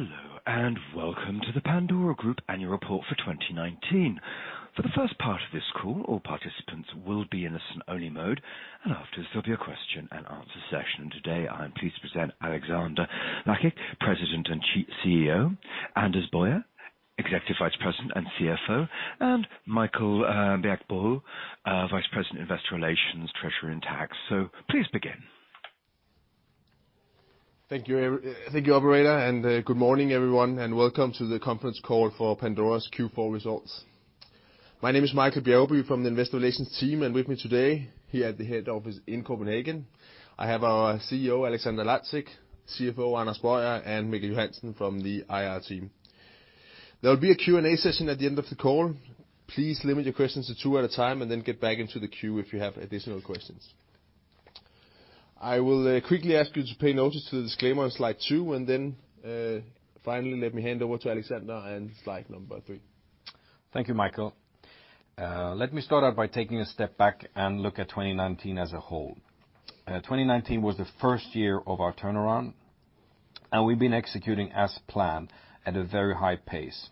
Hello, and welcome to the Pandora Group Annual Report for 2019. For the first part of this call, all participants will be in a listen-only mode, and after, there'll be a question and answer session. Today, I'm pleased to present Alexander Lacik, President and CEO, Anders Boyer, Executive Vice President and CFO, and Michael Bjergby, Vice President, Investor Relations, Treasurer, and Tax. Please begin. Thank you, operator, and good morning, everyone, and welcome to the conference call for Pandora's Q4 results. My name is Michael Bjergby from the Investor Relations team, and with me today, here at the head office in Copenhagen, I have our CEO, Alexander Lacik, CFO, Anders Boyer, and Mikkel Johansen from the IR team. There will be a Q&A session at the end of the call. Please limit your questions to 2 at a time and then get back into the queue if you have additional questions. I will quickly ask you to pay notice to the disclaimer on slide 2, and then finally, let me hand over to Alexander and slide number 3. Thank you, Michael. Let me start out by taking a step back and look at 2019 as a whole. 2019 was the first year of our turnaround, and we've been executing as planned at a very high pace.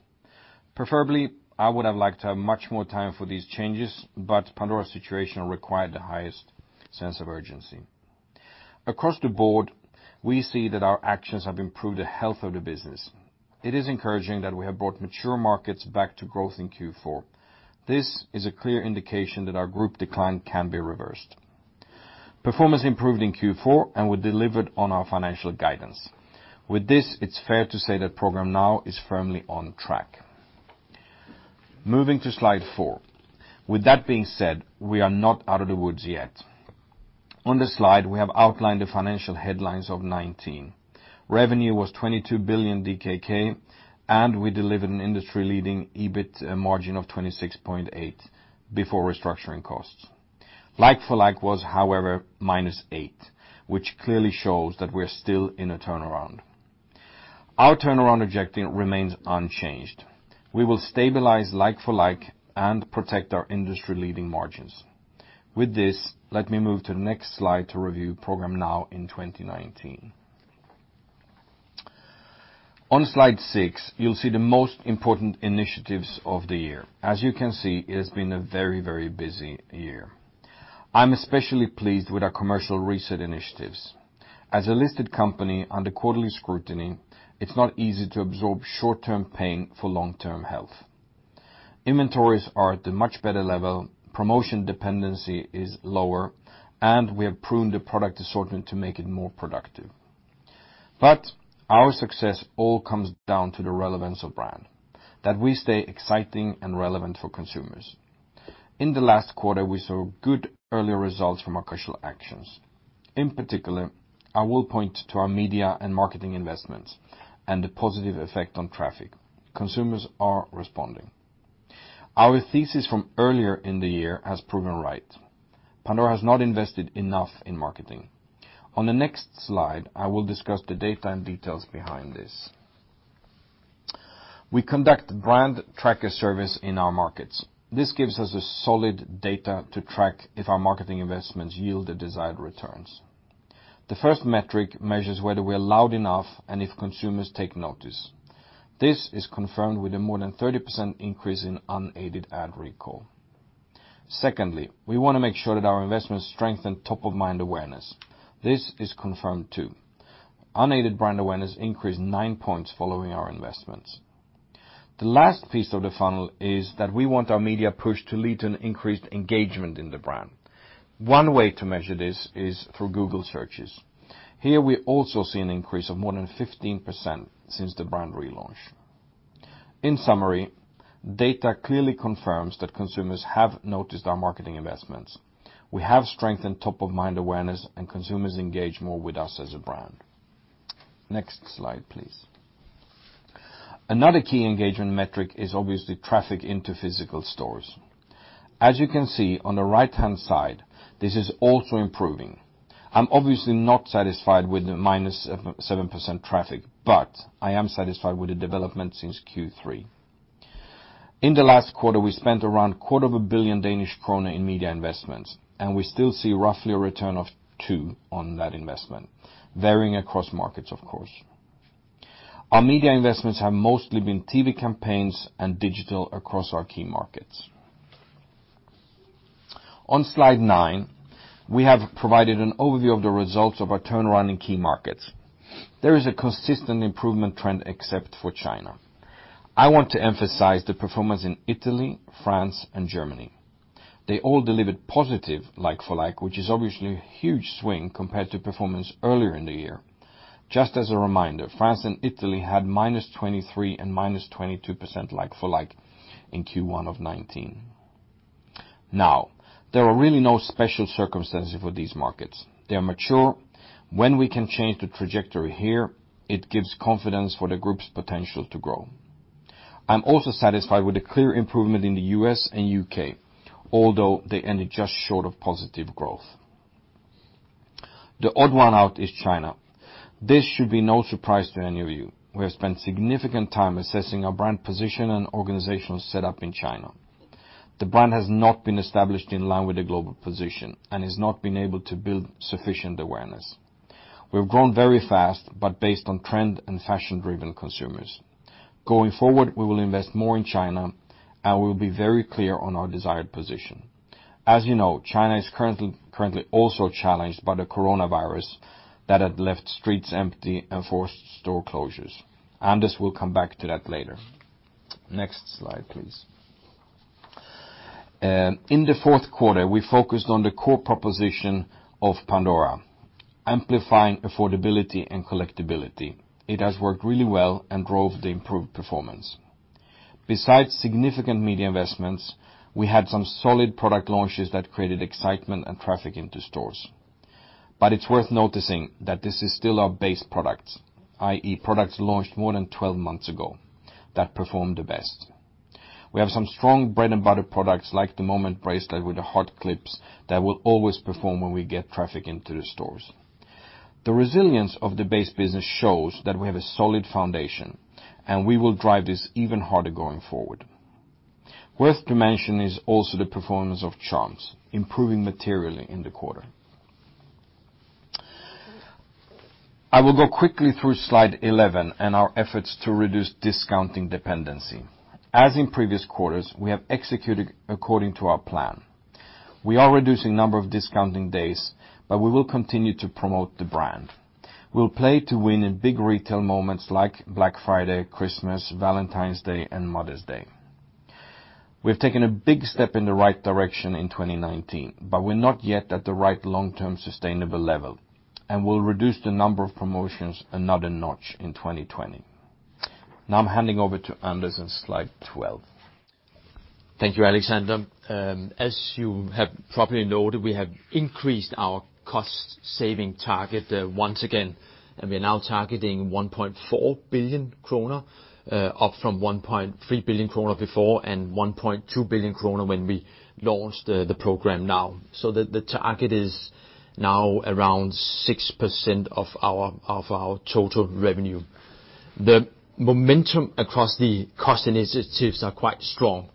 Preferably, I would have liked to have much more time for these changes, but Pandora's situation required the highest sense of urgency. Across the board, we see that our actions have improved the health of the business. It is encouraging that we have brought mature markets back to growth in Q4. This is a clear indication that our group decline can be reversed. Performance improved in Q4, and we delivered on our financial guidance. With this, it's fair to say that Programme NOW is firmly on track. Moving to slide 4. With that being said, we are not out of the woods yet. On this slide, we have outlined the financial headlines of 2019. Revenue was 22 billion DKK, and we delivered an industry-leading EBIT margin of 26.8% before restructuring costs. Like-for-like was, however, -8%, which clearly shows that we're still in a turnaround. Our turnaround objective remains unchanged. We will stabilize Like-for-like and protect our industry-leading margins. With this, let me move to the next slide to review Programme NOW in 2019. On slide 6, you'll see the most important initiatives of the year. As you can see, it has been a very, very busy year. I'm especially pleased with our commercial reset initiatives. As a listed company under quarterly scrutiny, it's not easy to absorb short-term pain for long-term health. Inventories are at a much better level, promotion dependency is lower, and we have pruned the product assortment to make it more productive. But our success all comes down to the relevance of brand, that we stay exciting and relevant for consumers. In the last quarter, we saw good early results from our crucial actions. In particular, I will point to our media and marketing investments and the positive effect on traffic. Consumers are responding. Our thesis from earlier in the year has proven right. Pandora has not invested enough in marketing. On the next slide, I will discuss the data and details behind this. We conduct brand tracker service in our markets. This gives us a solid data to track if our marketing investments yield the desired returns. The first metric measures whether we are loud enough and if consumers take notice. This is confirmed with a more than 30% increase in unaided ad recall. Secondly, we want to make sure that our investments strengthen top-of-mind awareness. This is confirmed, too. Unaided brand awareness increased 9 points following our investments. The last piece of the funnel is that we want our media push to lead to an increased engagement in the brand. One way to measure this is through Google searches. Here, we also see an increase of more than 15% since the brand relaunch. In summary, data clearly confirms that consumers have noticed our marketing investments. We have strengthened top-of-mind awareness, and consumers engage more with us as a brand. Next slide, please. Another key engagement metric is obviously traffic into physical stores. As you can see on the right-hand side, this is also improving. I'm obviously not satisfied with the -7.7% traffic, but I am satisfied with the development since Q3. In the last quarter, we spent around 250 million Danish krone in media investments, and we still see roughly a return of 2 on that investment, varying across markets, of course. Our media investments have mostly been TV campaigns and digital across our key markets. On slide 9, we have provided an overview of the results of our turnaround in key markets. There is a consistent improvement trend except for China. I want to emphasize the performance in Italy, France, and Germany. They all delivered positive Like-for-like, which is obviously a huge swing compared to performance earlier in the year. Just as a reminder, France and Italy had -23% and -22% Like-for-like in Q1 of 2019. Now, there are really no special circumstances for these markets. They are mature. When we can change the trajectory here, it gives confidence for the group's potential to grow. I'm also satisfied with the clear improvement in the US and UK, although they ended just short of positive growth. The odd one out is China. This should be no surprise to any of you. We have spent significant time assessing our brand position and organizational setup in China. The brand has not been established in line with the global position, and has not been able to build sufficient awareness. We've grown very fast, but based on trend and fashion-driven consumers. Going forward, we will invest more in China, and we'll be very clear on our desired position. As you know, China is currently also challenged by the coronavirus that had left streets empty and forced store closures. Anders will come back to that later. Next slide, please. In the fourth quarter, we focused on the core proposition of Pandora, amplifying affordability and collectibility. It has worked really well and drove the improved performance. Besides significant media investments, we had some solid product launches that created excitement and traffic into stores. It's worth noticing that this is still our base products, i.e., products launched more than 12 months ago, that performed the best. We have some strong bread and butter products, like the Moments bracelet with the heart clips, that will always perform when we get traffic into the stores. The resilience of the base business shows that we have a solid foundation, and we will drive this even harder going forward. Worth to mention is also the performance of charms, improving materially in the quarter. I will go quickly through slide 11 and our efforts to reduce discounting dependency. As in previous quarters, we have executed according to our plan. We are reducing number of discounting days, but we will continue to promote the brand. We'll play to win in big retail moments like Black Friday, Christmas, Valentine's Day, and Mother's Day. We've taken a big step in the right direction in 2019, but we're not yet at the right long-term sustainable level, and we'll reduce the number of promotions another notch in 2020. Now I'm handing over to Anders on slide 12. Thank you, Alexander. As you have probably noted, we have increased our cost saving target, once again, and we're now targeting 1.4 billion kroner, up from 1.3 billion kroner before and 1.2 billion kroner when we launched the Programme NOW, so the target is now around 6% of our total revenue. The momentum across the cost initiatives are quite strong.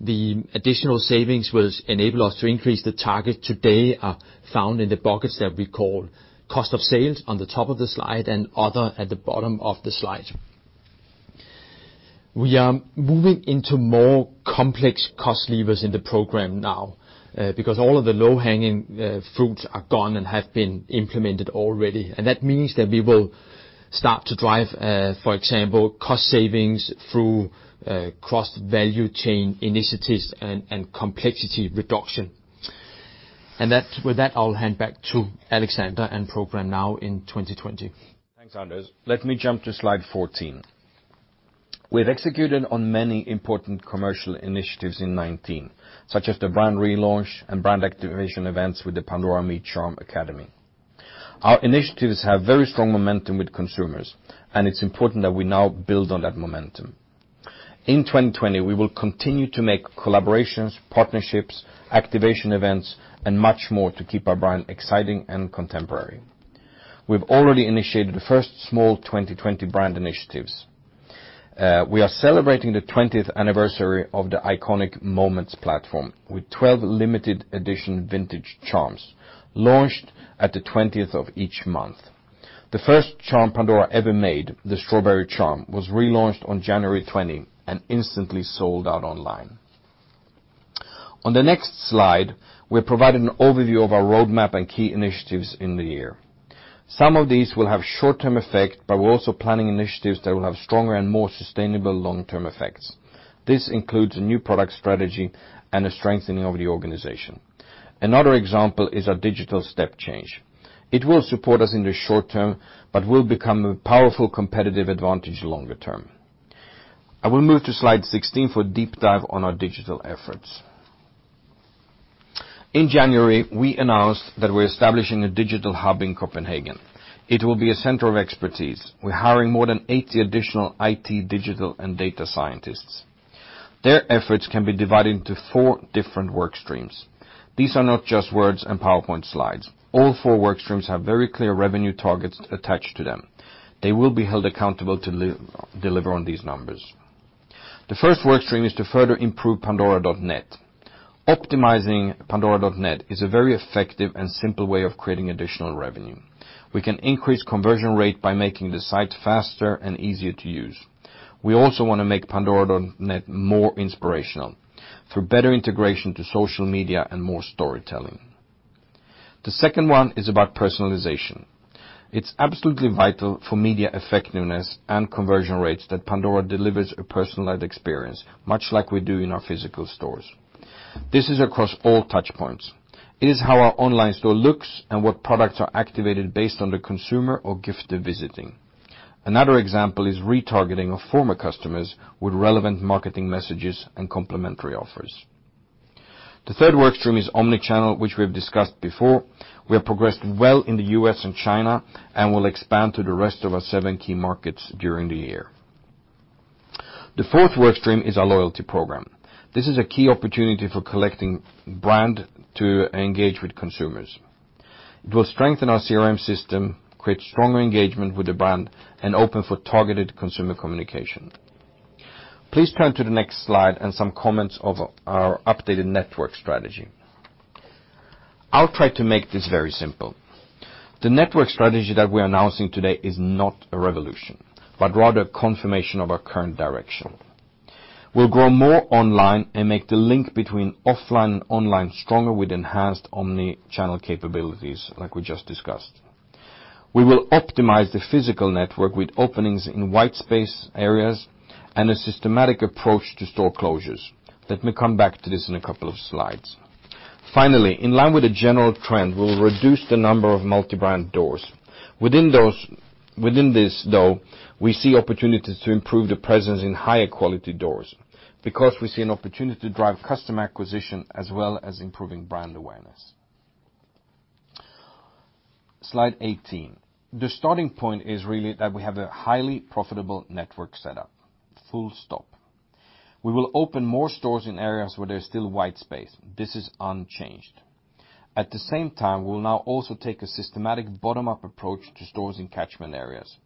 The additional savings will enable us to increase the target today are found in the buckets that we call Cost of Sales on the top of the slide and other at the bottom of the slide. We are moving into more complex cost levers in the Programme NOW, because all of the low-hanging fruits are gone and have been implemented already, and that means that we will start to drive, for example, cost savings through, cross-value chain initiatives and, and complexity reduction. And that with that, I'll hand back to Alexander and Programme NOW in 2020. Thanks, Anders. Let me jump to slide 14. We've executed on many important commercial initiatives in 2019, such as the brand relaunch and brand activation events with the Pandora Me Charm Academy. Our initiatives have very strong momentum with consumers, and it's important that we now build on that momentum. In 2020, we will continue to make collaborations, partnerships, activation events, and much more to keep our brand exciting and contemporary. We've already initiated the first small 2020 brand initiatives. We are celebrating the 20th anniversary of the iconic Moments platform with 12 limited edition vintage charms, launched at the 20th of each month. The first charm Pandora ever made, the Strawberry charm, was relaunched on January 20 and instantly sold out online. On the next slide, we're providing an overview of our roadmap and key initiatives in the year. Some of these will have short-term effect, but we're also planning initiatives that will have stronger and more sustainable long-term effects. This includes a new product strategy and a strengthening of the organization. Another example is a digital step change. It will support us in the short term, but will become a powerful competitive advantage longer term. I will move to slide 16 for a deep dive on our digital efforts. In January, we announced that we're establishing a digital hub in Copenhagen. It will be a center of expertise. We're hiring more than 80 additional IT, digital, and data scientists. Their efforts can be divided into 4 different work streams. These are not just words and PowerPoint slides. All 4 work streams have very clear revenue targets attached to them. They will be held accountable to deliver on these numbers. The first work stream is to further improve Pandora.net. Optimizing Pandora.net is a very effective and simple way of creating additional revenue. We can increase conversion rate by making the site faster and easier to use. We also want to make Pandora.net more inspirational through better integration to social media and more storytelling. The second one is about personalization. It's absolutely vital for media effectiveness and conversion rates that Pandora delivers a personalized experience, much like we do in our physical stores. This is across all touchpoints. It is how our online store looks and what products are activated based on the consumer or gifter visiting. Another example is retargeting of former customers with relevant marketing messages and complementary offers. The third work stream is omni-channel, which we've discussed before. We have progressed well in the U.S. and China, and will expand to the rest of our seven key markets during the year. The fourth work stream is our loyalty program. This is a key opportunity for collecting brand to engage with consumers. It will strengthen our CRM system, create stronger engagement with the brand, and open for targeted consumer communication. Please turn to the next slide and some comments of our updated network strategy. I'll try to make this very simple. The network strategy that we're announcing today is not a revolution, but rather a confirmation of our current direction. We'll grow more online and make the link between offline and online stronger with enhanced omni-channel capabilities, like we just discussed. We will optimize the physical network with openings in white space areas and a systematic approach to store closures. Let me come back to this in a couple of slides. Finally, in line with the general trend, we'll reduce the number of multi-brand doors. Within those, within this, though, we see opportunities to improve the presence in higher quality doors, because we see an opportunity to drive customer acquisition as well as improving brand awareness. Slide 18. The starting point is really that we have a highly profitable network setup, full stop. We will open more stores in areas where there's still white space. This is unchanged. At the same time, we'll now also take a systematic bottom-up approach to stores in catchment areas.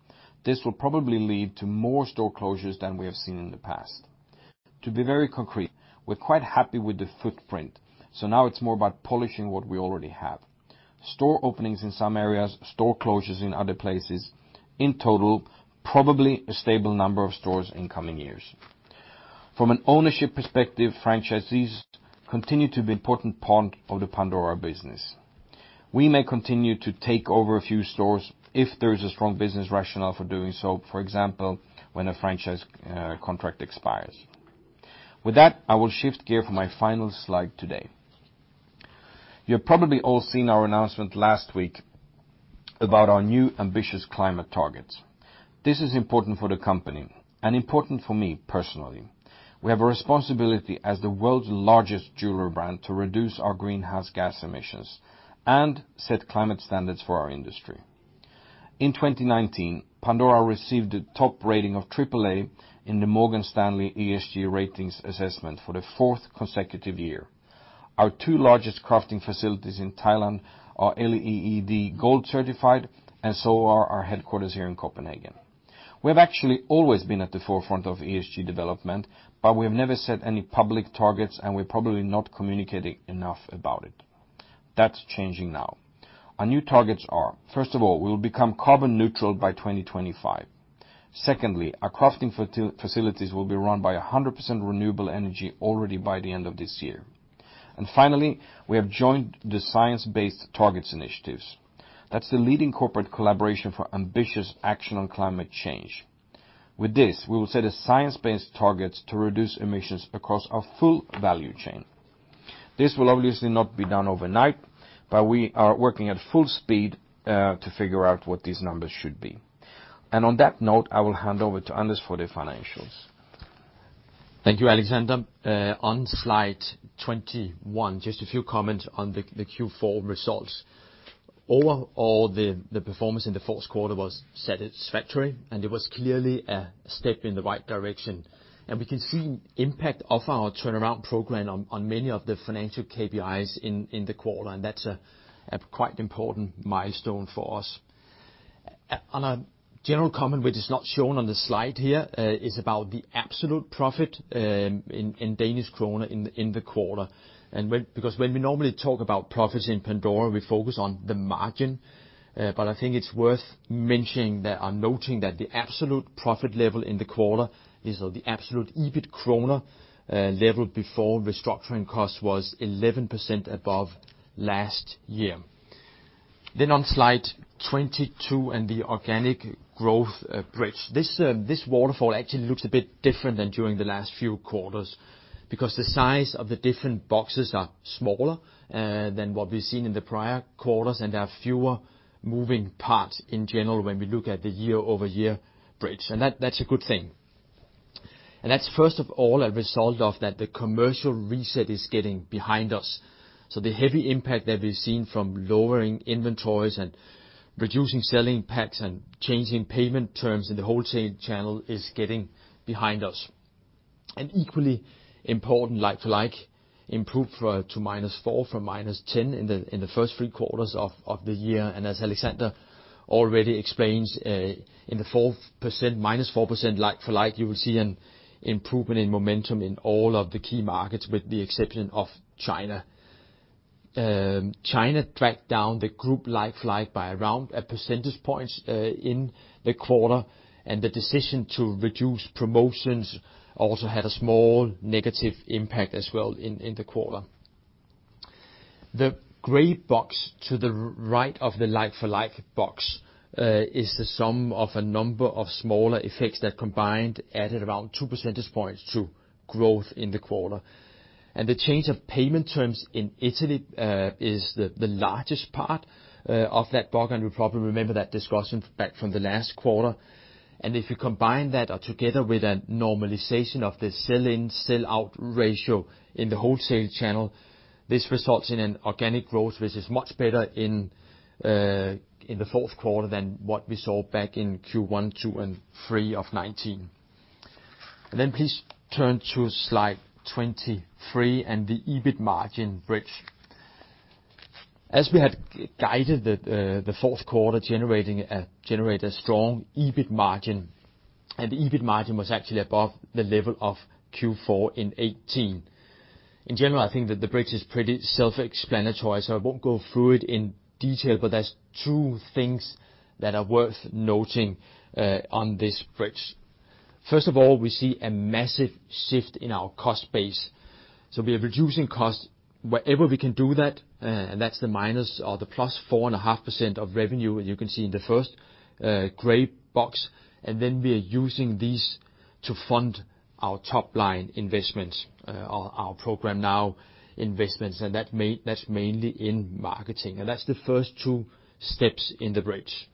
This will probably lead to more store closures than we have seen in the past. To be very concrete, we're quite happy with the footprint, so now it's more about polishing what we already have. Store openings in some areas, store closures in other places, in total, probably a stable number of stores in coming years. From an ownership perspective, franchisees continue to be an important part of the Pandora business. We may continue to take over a few stores if there is a strong business rationale for doing so, for example, when a franchise contract expires. With that, I will shift gear for my final slide today. You've probably all seen our announcement last week about our new ambitious climate targets. This is important for the company and important for me personally. We have a responsibility as the world's largest jewelry brand to reduce our greenhouse gas emissions and set climate standards for our industry. In 2019, Pandora received a top rating of AAA in the Morgan Stanley ESG ratings assessment for the fourth consecutive year. Our two largest crafting facilities in Thailand are LEED Gold certified, and so are our headquarters here in Copenhagen. We have actually always been at the forefront of ESG development, but we have never set any public targets, and we're probably not communicating enough about it. That's changing now. Our new targets are, first of all, we will become carbon neutral by 2025. Secondly, our crafting facilities will be run by 100% renewable energy already by the end of this year. And finally, we have joined the Science Based Targets initiative. That's the leading corporate collaboration for ambitious action on climate change. With this, we will set science-based targets to reduce emissions across our full value chain. This will obviously not be done overnight, but we are working at full speed to figure out what these numbers should be. On that note, I will hand over to Anders for the financials. Thank you, Alexander. On slide 21, just a few comments on the Q4 results. Overall, the performance in the fourth quarter was satisfactory, and it was clearly a step in the right direction. We can see impact of our turnaround program on many of the financial KPIs in the quarter, and that's a quite important milestone for us. On a general comment, which is not shown on the slide here, is about the absolute profit in Danish kroner in the quarter. Because when we normally talk about profits in Pandora, we focus on the margin, but I think it's worth mentioning that, or noting that the absolute profit level in the quarter is, or the absolute EBIT kroner level before restructuring costs, was 11% above last year. Then on slide 22 and the organic growth bridge. This waterfall actually looks a bit different than during the last few quarters, because the size of the different boxes are smaller than what we've seen in the prior quarters, and there are fewer moving parts in general when we look at the year-over-year bridge, and that, that's a good thing. That's first of all a result of that the commercial reset is getting behind us. So the heavy impact that we've seen from lowering inventories and reducing sell-in packs and changing payment terms in the wholesale channel is getting behind us. And equally important, Like-for-like improved to -4 from -10 in the first three quarters of the year. As Alexander already explained, in the -4% Like-for-like, you will see an improvement in momentum in all of the key markets, with the exception of China. China dragged down the group Like-for-like by around 1 percentage point in the quarter, and the decision to reduce promotions also had a small negative impact as well in the quarter. The gray box to the right of the Like-for-like box is the sum of a number of smaller effects that combined added around 2 percentage points to growth in the quarter. The change of payment terms in Italy is the largest part of that box, and you probably remember that discussion back from the last quarter. If you combine that together with a normalization of the sell-in, sell-out ratio in the wholesale channel, this results in an organic growth, which is much better in the fourth quarter than what we saw back in Q1, 2, and 3 of 2019. Then please turn to slide 23 and the EBIT margin bridge. As we had guided the fourth quarter generate a strong EBIT margin, and the EBIT margin was actually above the level of Q4 in 2018. In general, I think that the bridge is pretty self-explanatory, so I won't go through it in detail, but there's two things that are worth noting on this bridge. First of all, we see a massive shift in our cost base, so we are reducing costs wherever we can do that. And that's the minus or plus 4.5% of revenue, as you can see in the first gray box, and then we are using these to fund our top-line investments, our Programme NOW investments, and that's mainly in marketing, and that's the first two steps in the bridge.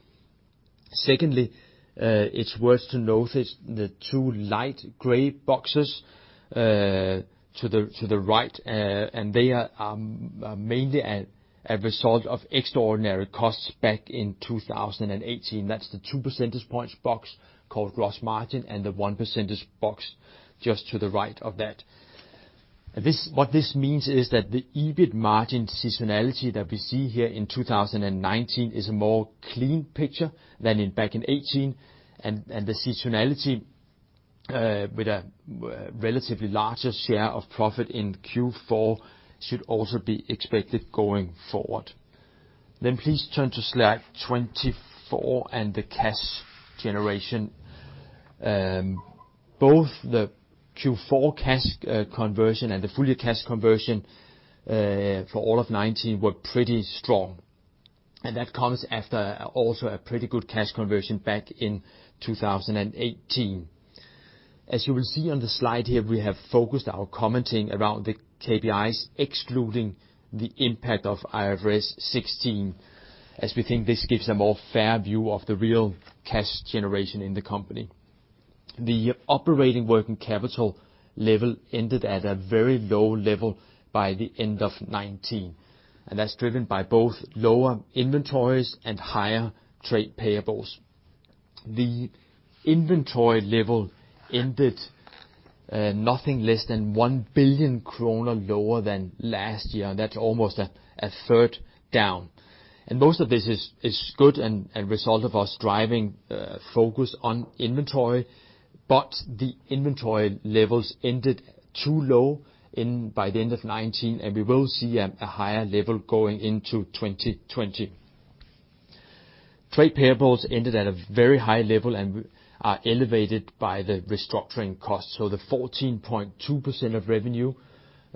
Secondly, it's worth to notice the two light gray boxes to the right, and they are mainly a result of extraordinary costs back in 2018. That's the two percentage points box called gross margin and the one percentage box just to the right of that. What this means is that the EBIT margin seasonality that we see here in 2019 is a more clean picture than back in 2018, and the seasonality with a relatively larger share of profit in Q4 should also be expected going forward. Please turn to slide 24 and the cash generation. Both the Q4 cash conversion and the full-year cash conversion for all of 2019 were pretty strong, and that comes after also a pretty good cash conversion back in 2018. As you will see on the slide here, we have focused our commenting around the KPIs, excluding the impact of IFRS 16, as we think this gives a more fair view of the real cash generation in the company. The operating working capital level ended at a very low level by the end of 2019, and that's driven by both lower inventories and higher trade payables. The inventory level ended nothing less than 1 billion kroner lower than last year, and that's almost a third down, and most of this is good and result of us driving focus on inventory, but the inventory levels ended too low by the end of 2019, and we will see a higher level going into 2020. Trade payables ended at a very high level and are elevated by the restructuring costs. So the 14.2% of revenue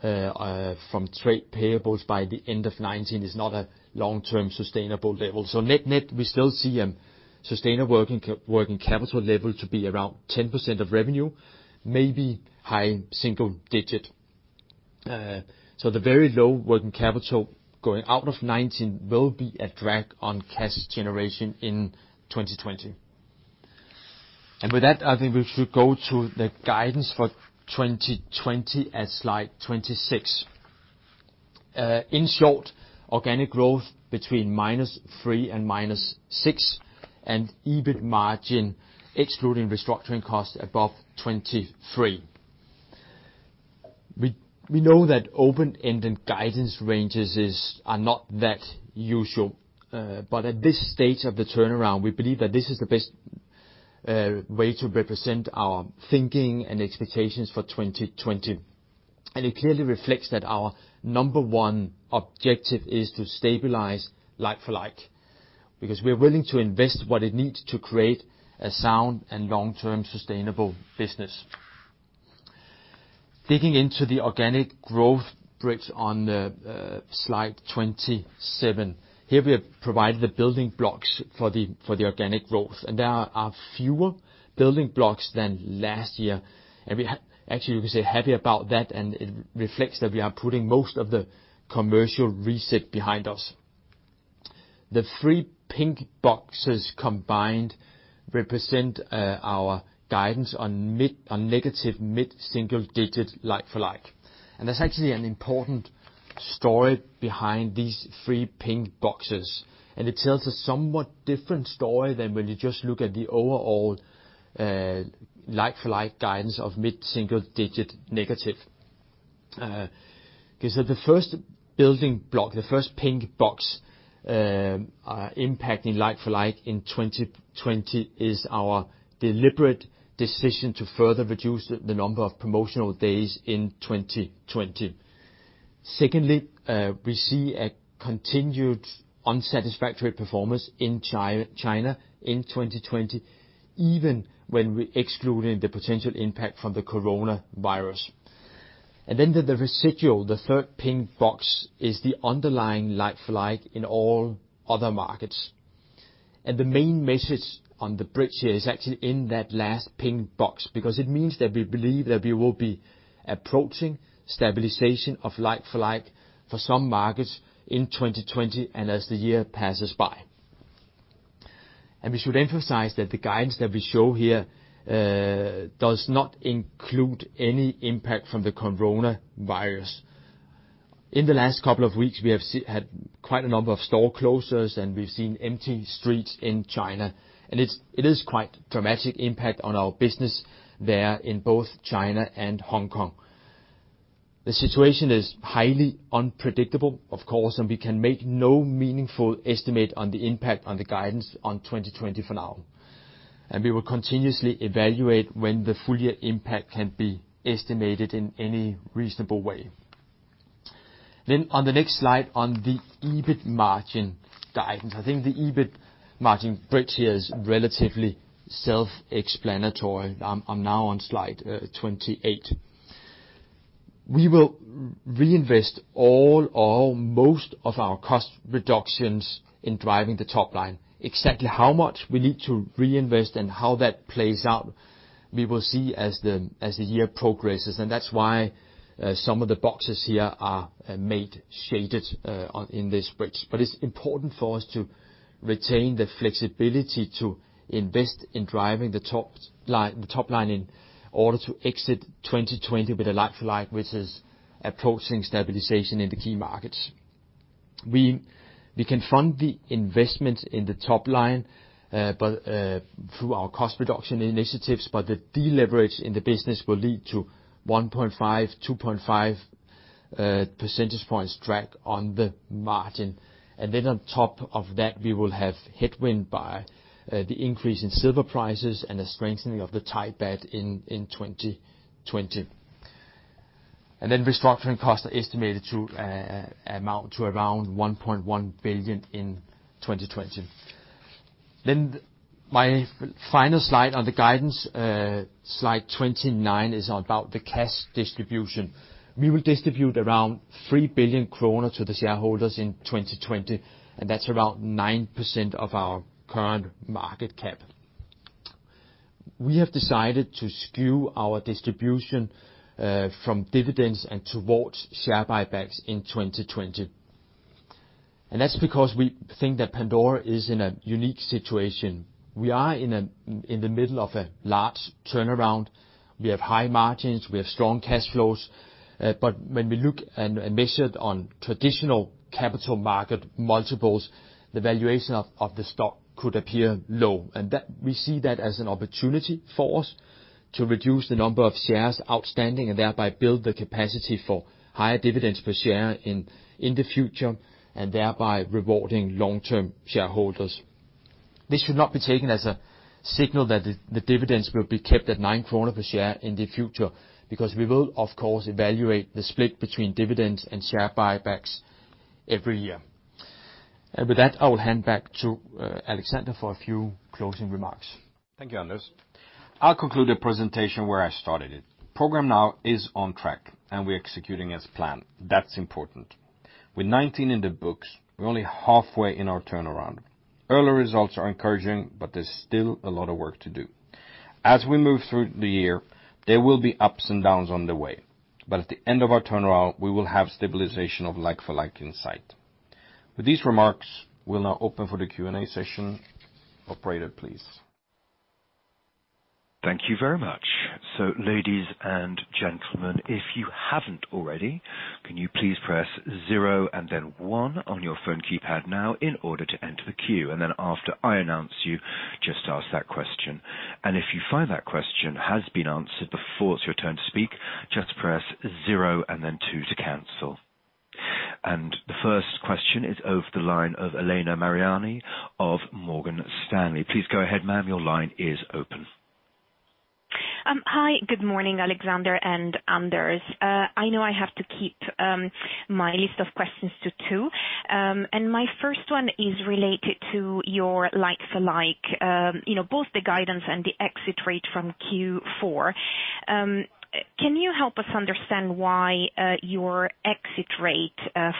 from trade payables by the end of 2019 is not a long-term sustainable level. So net-net, we still see a sustainable working capital level to be around 10% of revenue, maybe high single digit. So the very low working capital going out of 2019 will be a drag on cash generation in 2020. With that, I think we should go to the guidance for 2020 at slide 26. In short, organic growth between -3% and -6%, and EBIT margin, excluding restructuring costs, above 23%. We know that open-ended guidance ranges is, are not that usual, but at this stage of the turnaround, we believe that this is the best way to represent our thinking and expectations for 2020, and it clearly reflects that our number one objective is to stabilize Like-for-like, because we're willing to invest what it needs to create a sound and long-term sustainable business. Digging into the organic growth bridge on the slide 27. Here, we have provided the building blocks for the organic growth, and there are fewer building blocks than last year, and actually we are happy about that, and it reflects that we are putting most of the commercial reset behind us. The three pink boxes combined represent our guidance on negative mid-single digit Like-for-like, and there's actually an important story behind these three pink boxes, and it tells a somewhat different story than when you just look at the overall Like-for-like guidance of mid-single digit negative. So the first building block, the first pink box, impacting Like-for-like in 2020 is our deliberate decision to further reduce the number of promotional days in 2020. Secondly, we see a continued unsatisfactory performance in China in 2020, even when excluding the potential impact from the coronavirus. Then the residual, the third pink box, is the underlying Like-for-like in all other markets. And the main message on the bridge here is actually in that last pink box, because it means that we believe that we will be approaching stabilization of Like-for-like for some markets in 2020 and as the year passes by. And we should emphasize that the guidance that we show here does not include any impact from the coronavirus. In the last couple of weeks, we have had quite a number of store closures, and we've seen empty streets in China. And it is quite dramatic impact on our business there in both China and Hong Kong. The situation is highly unpredictable, of course, and we can make no meaningful estimate on the impact on the guidance for 2020 for now. We will continuously evaluate when the full year impact can be estimated in any reasonable way. Then on the next slide, on the EBIT margin guidance, I think the EBIT margin bridge here is relatively self-explanatory. I'm now on slide 28. We will reinvest all or most of our cost reductions in driving the top line. Exactly how much we need to reinvest and how that plays out, we will see as the year progresses, and that's why some of the boxes here are made shaded on in this bridge. But it's important for us to retain the flexibility to invest in driving the top line, the top line in order to exit 2020 with a Like-for-like, which is approaching stabilization in the key markets. We confront the investment in the top line, but through our cost reduction initiatives, but the deleverage in the business will lead to 1.5-2.5 percentage points drag on the margin. And then on top of that, we will have headwind by the increase in silver prices and the strengthening of the Thai baht in 2020. And then restructuring costs are estimated to amount to around 1.1 billion in 2020. Then my final slide on the guidance, slide 29, is about the cash distribution. We will distribute around 3 billion kroner to the shareholders in 2020, and that's around 9% of our current market cap. We have decided to skew our distribution from dividends and towards share buybacks in 2020. That's because we think that Pandora is in a unique situation. We are in the middle of a large turnaround. We have high margins, we have strong cash flows, but when we look and measure it on traditional capital market multiples, the valuation of the stock could appear low. And that, we see that as an opportunity for us to reduce the number of shares outstanding, and thereby build the capacity for higher dividends per share in the future, and thereby rewarding long-term shareholders. This should not be taken as a signal that the dividends will be kept at 9 kroner per share in the future, because we will, of course, evaluate the split between dividends and share buybacks every year. And with that, I will hand back to Alexander for a few closing remarks. Thank you, Anders. I'll conclude the presentation where I started it. Programme NOW is on track, and we're executing as planned. That's important. With 2019 in the books, we're only halfway in our turnaround. Early results are encouraging, but there's still a lot of work to do. As we move through the year, there will be ups and downs on the way, but at the end of our turnaround, we will have stabilization of Like-for-like in sight. With these remarks, we'll now open for the Q&A session. Operator, please. Thank you very much. So, ladies and gentlemen, if you haven't already, can you please press zero and then one on your phone keypad now in order to enter the queue, and then after I announce you, just ask that question. And if you find that question has been answered before it's your turn to speak, just press zero and then two to cancel. And the first question is over the line of Elena Mariani of Morgan Stanley. Please go ahead, ma'am. Your line is open. Hi. Good morning, Alexander and Anders. I know I have to keep my list of questions to two. And my first one is related to your Like-for-like, you know, both the guidance and the exit rate from Q4. Can you help us understand why your exit rate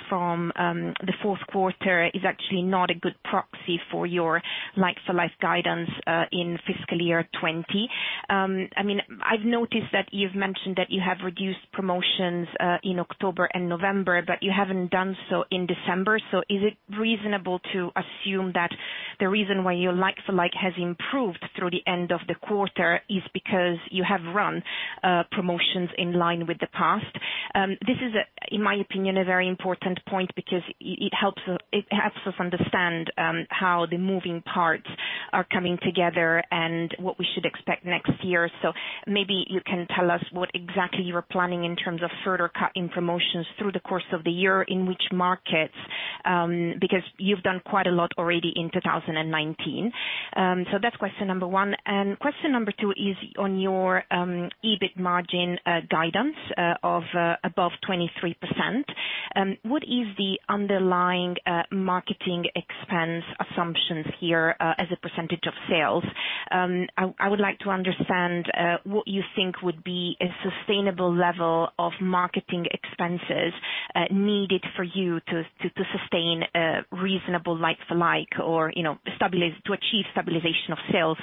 from the fourth quarter is actually not a good proxy for your Like-for-like guidance in fiscal year 2020? I mean, I've noticed that you've mentioned that you have reduced promotions in October and November, but you haven't done so in December. So is it reasonable to assume that the reason why your Like-for-like has improved through the end of the quarter is because you have run promotions in line with the past? This is, in my opinion, a very important point, because it, it helps us, it helps us understand how the moving parts are coming together and what we should expect next year. So maybe you can tell us what exactly you are planning in terms of further cutting promotions through the course of the year, in which markets, because you've done quite a lot already in 2019. So that's question number one. And question number two is on your EBIT margin guidance of above 23%. What is the underlying marketing expense assumptions here, as a percentage of sales? I would like to understand what you think would be a sustainable level of marketing expenses needed for you to sustain a reasonable Like-for-like or, you know, to achieve stabilization of sales.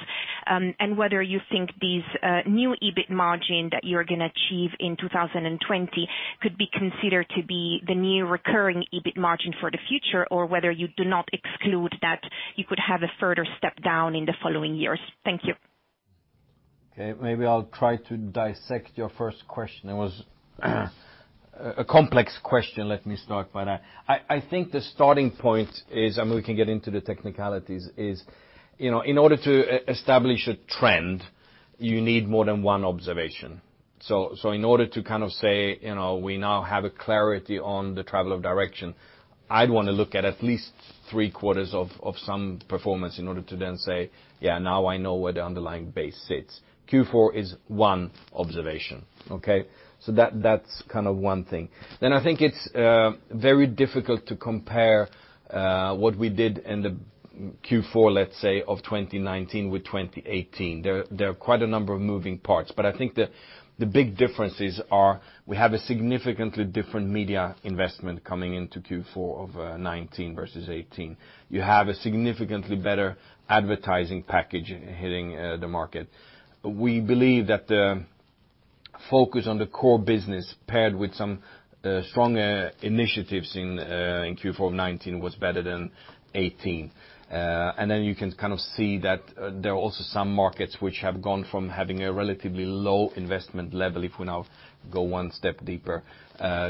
And whether you think these new EBIT margin that you're going to achieve in 2020 could be considered to be the new recurring EBIT margin for the future, or whether you do not exclude that you could have a further step down in the following years. Thank you. Okay, maybe I'll try to dissect your first question. It was a complex question, let me start by that. I think the starting point is, and we can get into the technicalities, is, you know, in order to establish a trend, you need more than one observation. So in order to kind of say, you know, we now have a clarity on the travel of direction, I'd want to look at least three quarters of some performance in order to then say, "Yeah, now I know where the underlying base sits." Q4 is one observation, okay? So that, that's kind of one thing. Then I think it's very difficult to compare what we did in the Q4, let's say, of 2019 with 2018. There are quite a number of moving parts. But I think the big differences are we have a significantly different media investment coming into Q4 of 2019 versus 2018. You have a significantly better advertising package hitting the market. We believe that the focus on the core business, paired with some strong initiatives in Q4 of 2019 was better than 2018. And then you can kind of see that there are also some markets which have gone from having a relatively low investment level, if we now go one step deeper,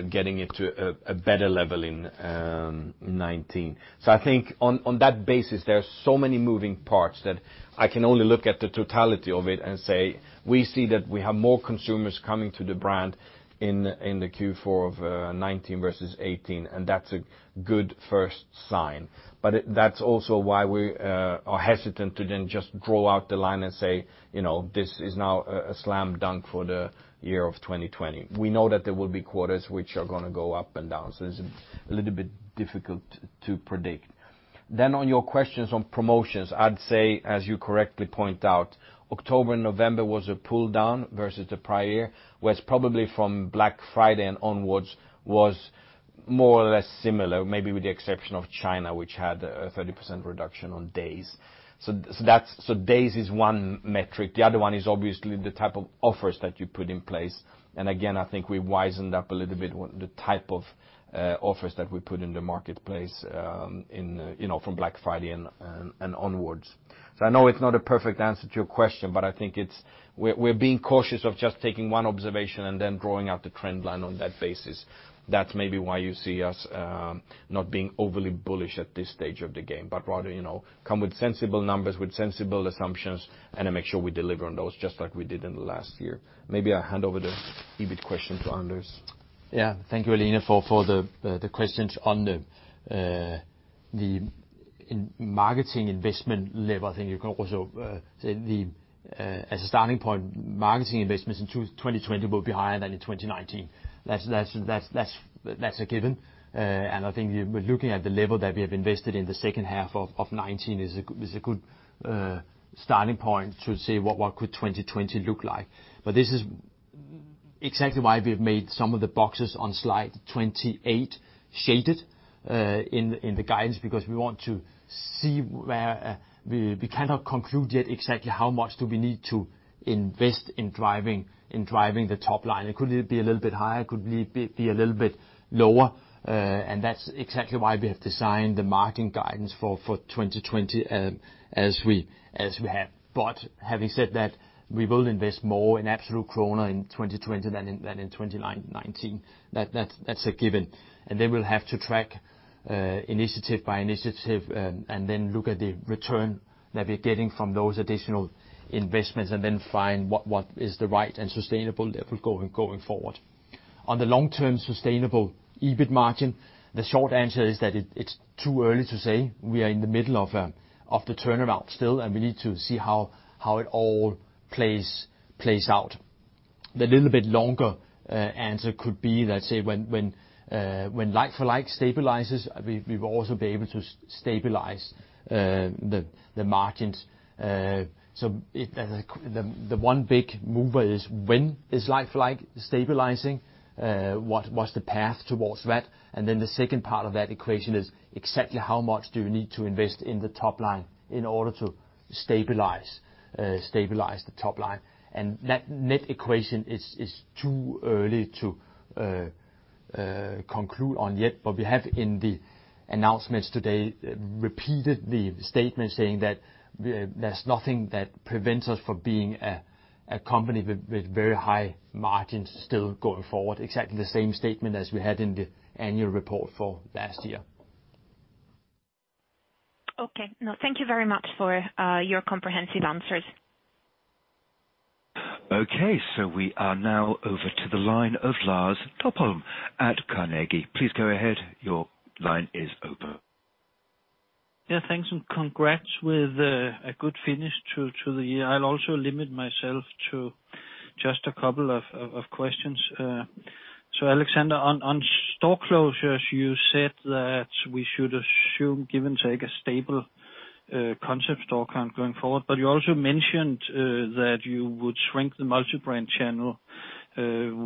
getting it to a better level in 2019. So I think on, on that basis, there are so many moving parts that I can only look at the totality of it and say, "We see that we have more consumers coming to the brand in, in the Q4 of 2019 versus 2018, and that's a good first sign." But it, that's also why we are hesitant to then just draw out the line and say, you know, "This is now a, a slam dunk for the year of 2020." We know that there will be quarters which are gonna go up and down, so it's a little bit difficult to predict. Then on your questions on promotions, I'd say, as you correctly point out, October and November was a pull down versus the prior year, whereas probably from Black Friday and onwards was more or less similar, maybe with the exception of China, which had a 30% reduction on days. So days is one metric. The other one is obviously the type of offers that you put in place, and again, I think we wisened up a little bit on the type of offers that we put in the marketplace, in, you know, from Black Friday and onwards. So I know it's not a perfect answer to your question, but I think it's... We're being cautious of just taking one observation and then drawing out the trend line on that basis. That's maybe why you see us, not being overly bullish at this stage of the game, but rather, you know, come with sensible numbers, with sensible assumptions, and then make sure we deliver on those, just like we did in the last year. Maybe I hand over the EBIT question to Anders. Yeah. Thank you, Elena, for the questions on the marketing investment level. I think you can also say the, as a starting point, marketing investments in 2020 will be higher than in 2019. That's a given, and I think we're looking at the level that we have invested in the second half of 2019 is a good starting point to say what 2020 could look like. But this is exactly why we've made some of the boxes on slide 28 shaded in the guidance, because we want to see where... We cannot conclude yet exactly how much do we need to invest in driving the top line. It could be a little bit higher, it could be a little bit lower, and that's exactly why we have designed the marketing guidance for 2020, as we have. But having said that, we will invest more in absolute DKK in 2020 than in 2019. That's a given. And then we'll have to track initiative by initiative, and then look at the return that we're getting from those additional investments, and then find what is the right and sustainable level going forward. On the long-term sustainable EBIT margin, the short answer is that it's too early to say. We are in the middle of the turnaround still, and we need to see how it all plays out. The little bit longer answer could be, let's say, when Like-for-like stabilizes, we will also be able to stabilize the margins. So, the one big mover is when Like-for-like is stabilizing, what's the path towards that? And then the second part of that equation is exactly how much do you need to invest in the top line in order to stabilize the top line? And that net equation is too early to conclude on yet, but we have, in the announcements today, repeated the statement saying that there's nothing that prevents us from being a company with very high margins still going forward. Exactly the same statement as we had in the annual report for last year. Okay. No, thank you very much for your comprehensive answers. Okay, so we are now over to the line of Lars Topholm at Carnegie. Please go ahead, your line is open. Yeah, thanks, and congrats with a good finish to the year. I'll also limit myself to just a couple of questions. So Alexander, on store closures, you said that we should assume, give and take, a stable concept store count going forward, but you also mentioned that you would shrink the multi-brand channel,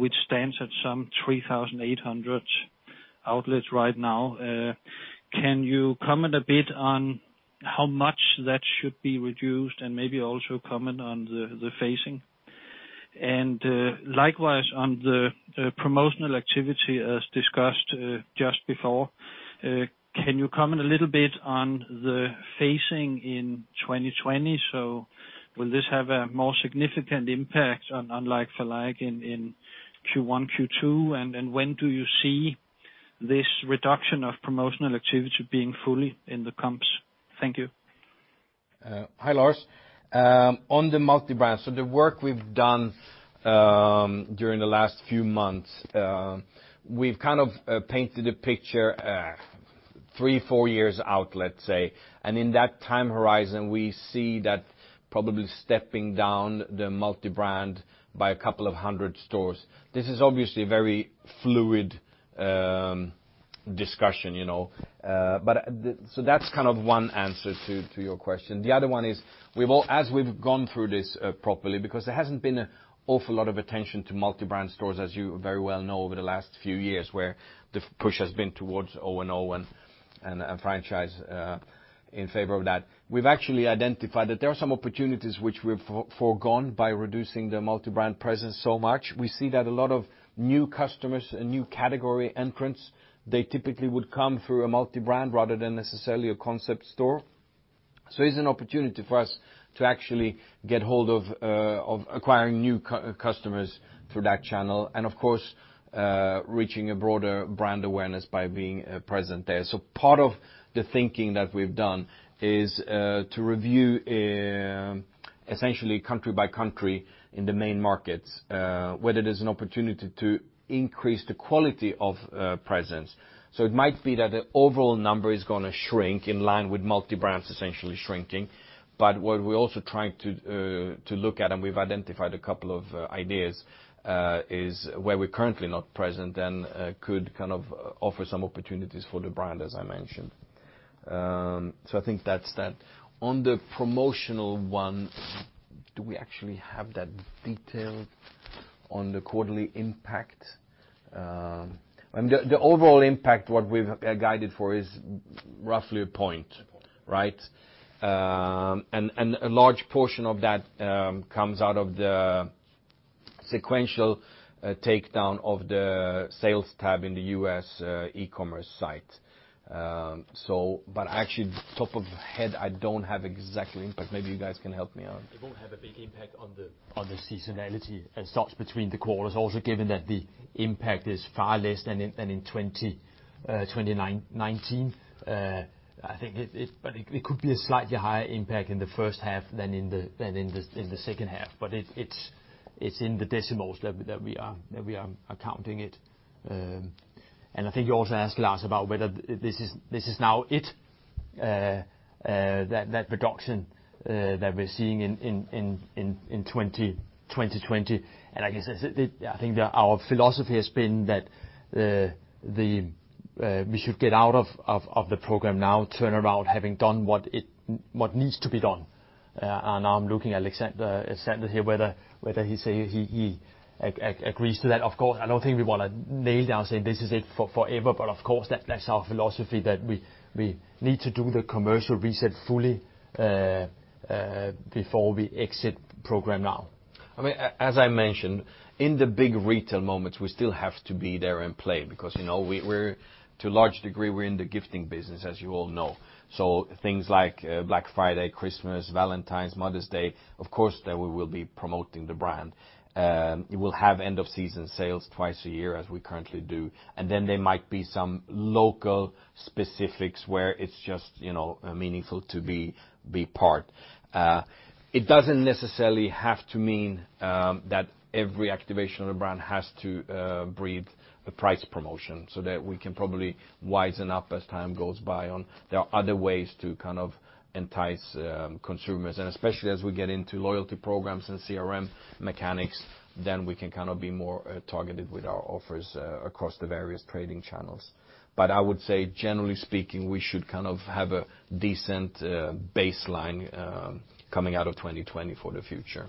which stands at some 3,800 outlets right now. Can you comment a bit on how much that should be reduced, and maybe also comment on the phasing? And likewise, on the promotional activity as discussed just before, can you comment a little bit on the phasing in 2020? So will this have a more significant impact on Like-for-like in Q1, Q2? And when do you see this reduction of promotional activity being fully in the comps? Thank you. Hi, Lars. On the multi-brand, so the work we've done during the last few months, we've kind of painted a picture 3-4 years out, let's say, and in that time horizon, we see that probably stepping down the multi-brand by a couple of hundred stores. This is obviously a very fluid discussion, you know, but so that's kind of one answer to your question. The other one is, as we've gone through this properly, because there hasn't been an awful lot of attention to multi-brand stores, as you very well know, over the last few years, where the push has been towards O&O and franchise in favor of that. We've actually identified that there are some opportunities which we've foregone by reducing the multi-brand presence so much. We see that a lot of new customers and new category entrants, they typically would come through a multi-brand rather than necessarily a concept store. So it's an opportunity for us to actually get hold of acquiring new customers through that channel, and of course, reaching a broader brand awareness by being present there. So part of the thinking that we've done is to review essentially country by country in the main markets whether there's an opportunity to increase the quality of presence. So it might be that the overall number is gonna shrink in line with multi-brands essentially shrinking. But what we're also trying to look at, and we've identified a couple of ideas, is where we're currently not present and could kind of offer some opportunities for the brand, as I mentioned. So I think that's that. On the promotional one, do we actually have that detail on the quarterly impact? I mean, the overall impact, what we've guided for is roughly a point, right? And a large portion of that comes out of the sequential takedown of the sales tab in the U.S. e-commerce site. But actually, top of head, I don't have exact impact. Maybe you guys can help me out. It won't have a big impact on the seasonality as such between the quarters. Also, given that the impact is far less than in 2019. I think it could be a slightly higher impact in the first half than in the second half. But it's in the decimals that we are accounting it. And I think you also asked, Lars, about whether this is now it, that reduction that we're seeing in 2020. And I guess, I think that our philosophy has been that we should get out of the Programme NOW, turn around, having done what needs to be done. I'm looking at Alexander here, whether he say he agrees to that. Of course, I don't think we wanna nail down saying this is it for forever, but of course, that's our philosophy, that we need to do the commercial reset fully before we exit the Programme NOW. I mean, as I mentioned, in the big retail moments, we still have to be there and play because, you know, we're, we're to a large degree, we're in the gifting business, as you all know. So things like, Black Friday, Christmas, Valentine's, Mother's Day, of course, there we will be promoting the brand. We will have end-of-season sales twice a year, as we currently do, and then there might be some local specifics where it's just, you know, meaningful to be part. It doesn't necessarily have to mean that every activation of the brand has to breed a price promotion, so that we can probably wisen up as time goes by on. There are other ways to kind of entice, consumers, and especially as we get into loyalty programs and CRM mechanics, then we can kind of be more, targeted with our offers, across the various trading channels. But I would say, generally speaking, we should kind of have a decent, baseline, coming out of 2020 for the future.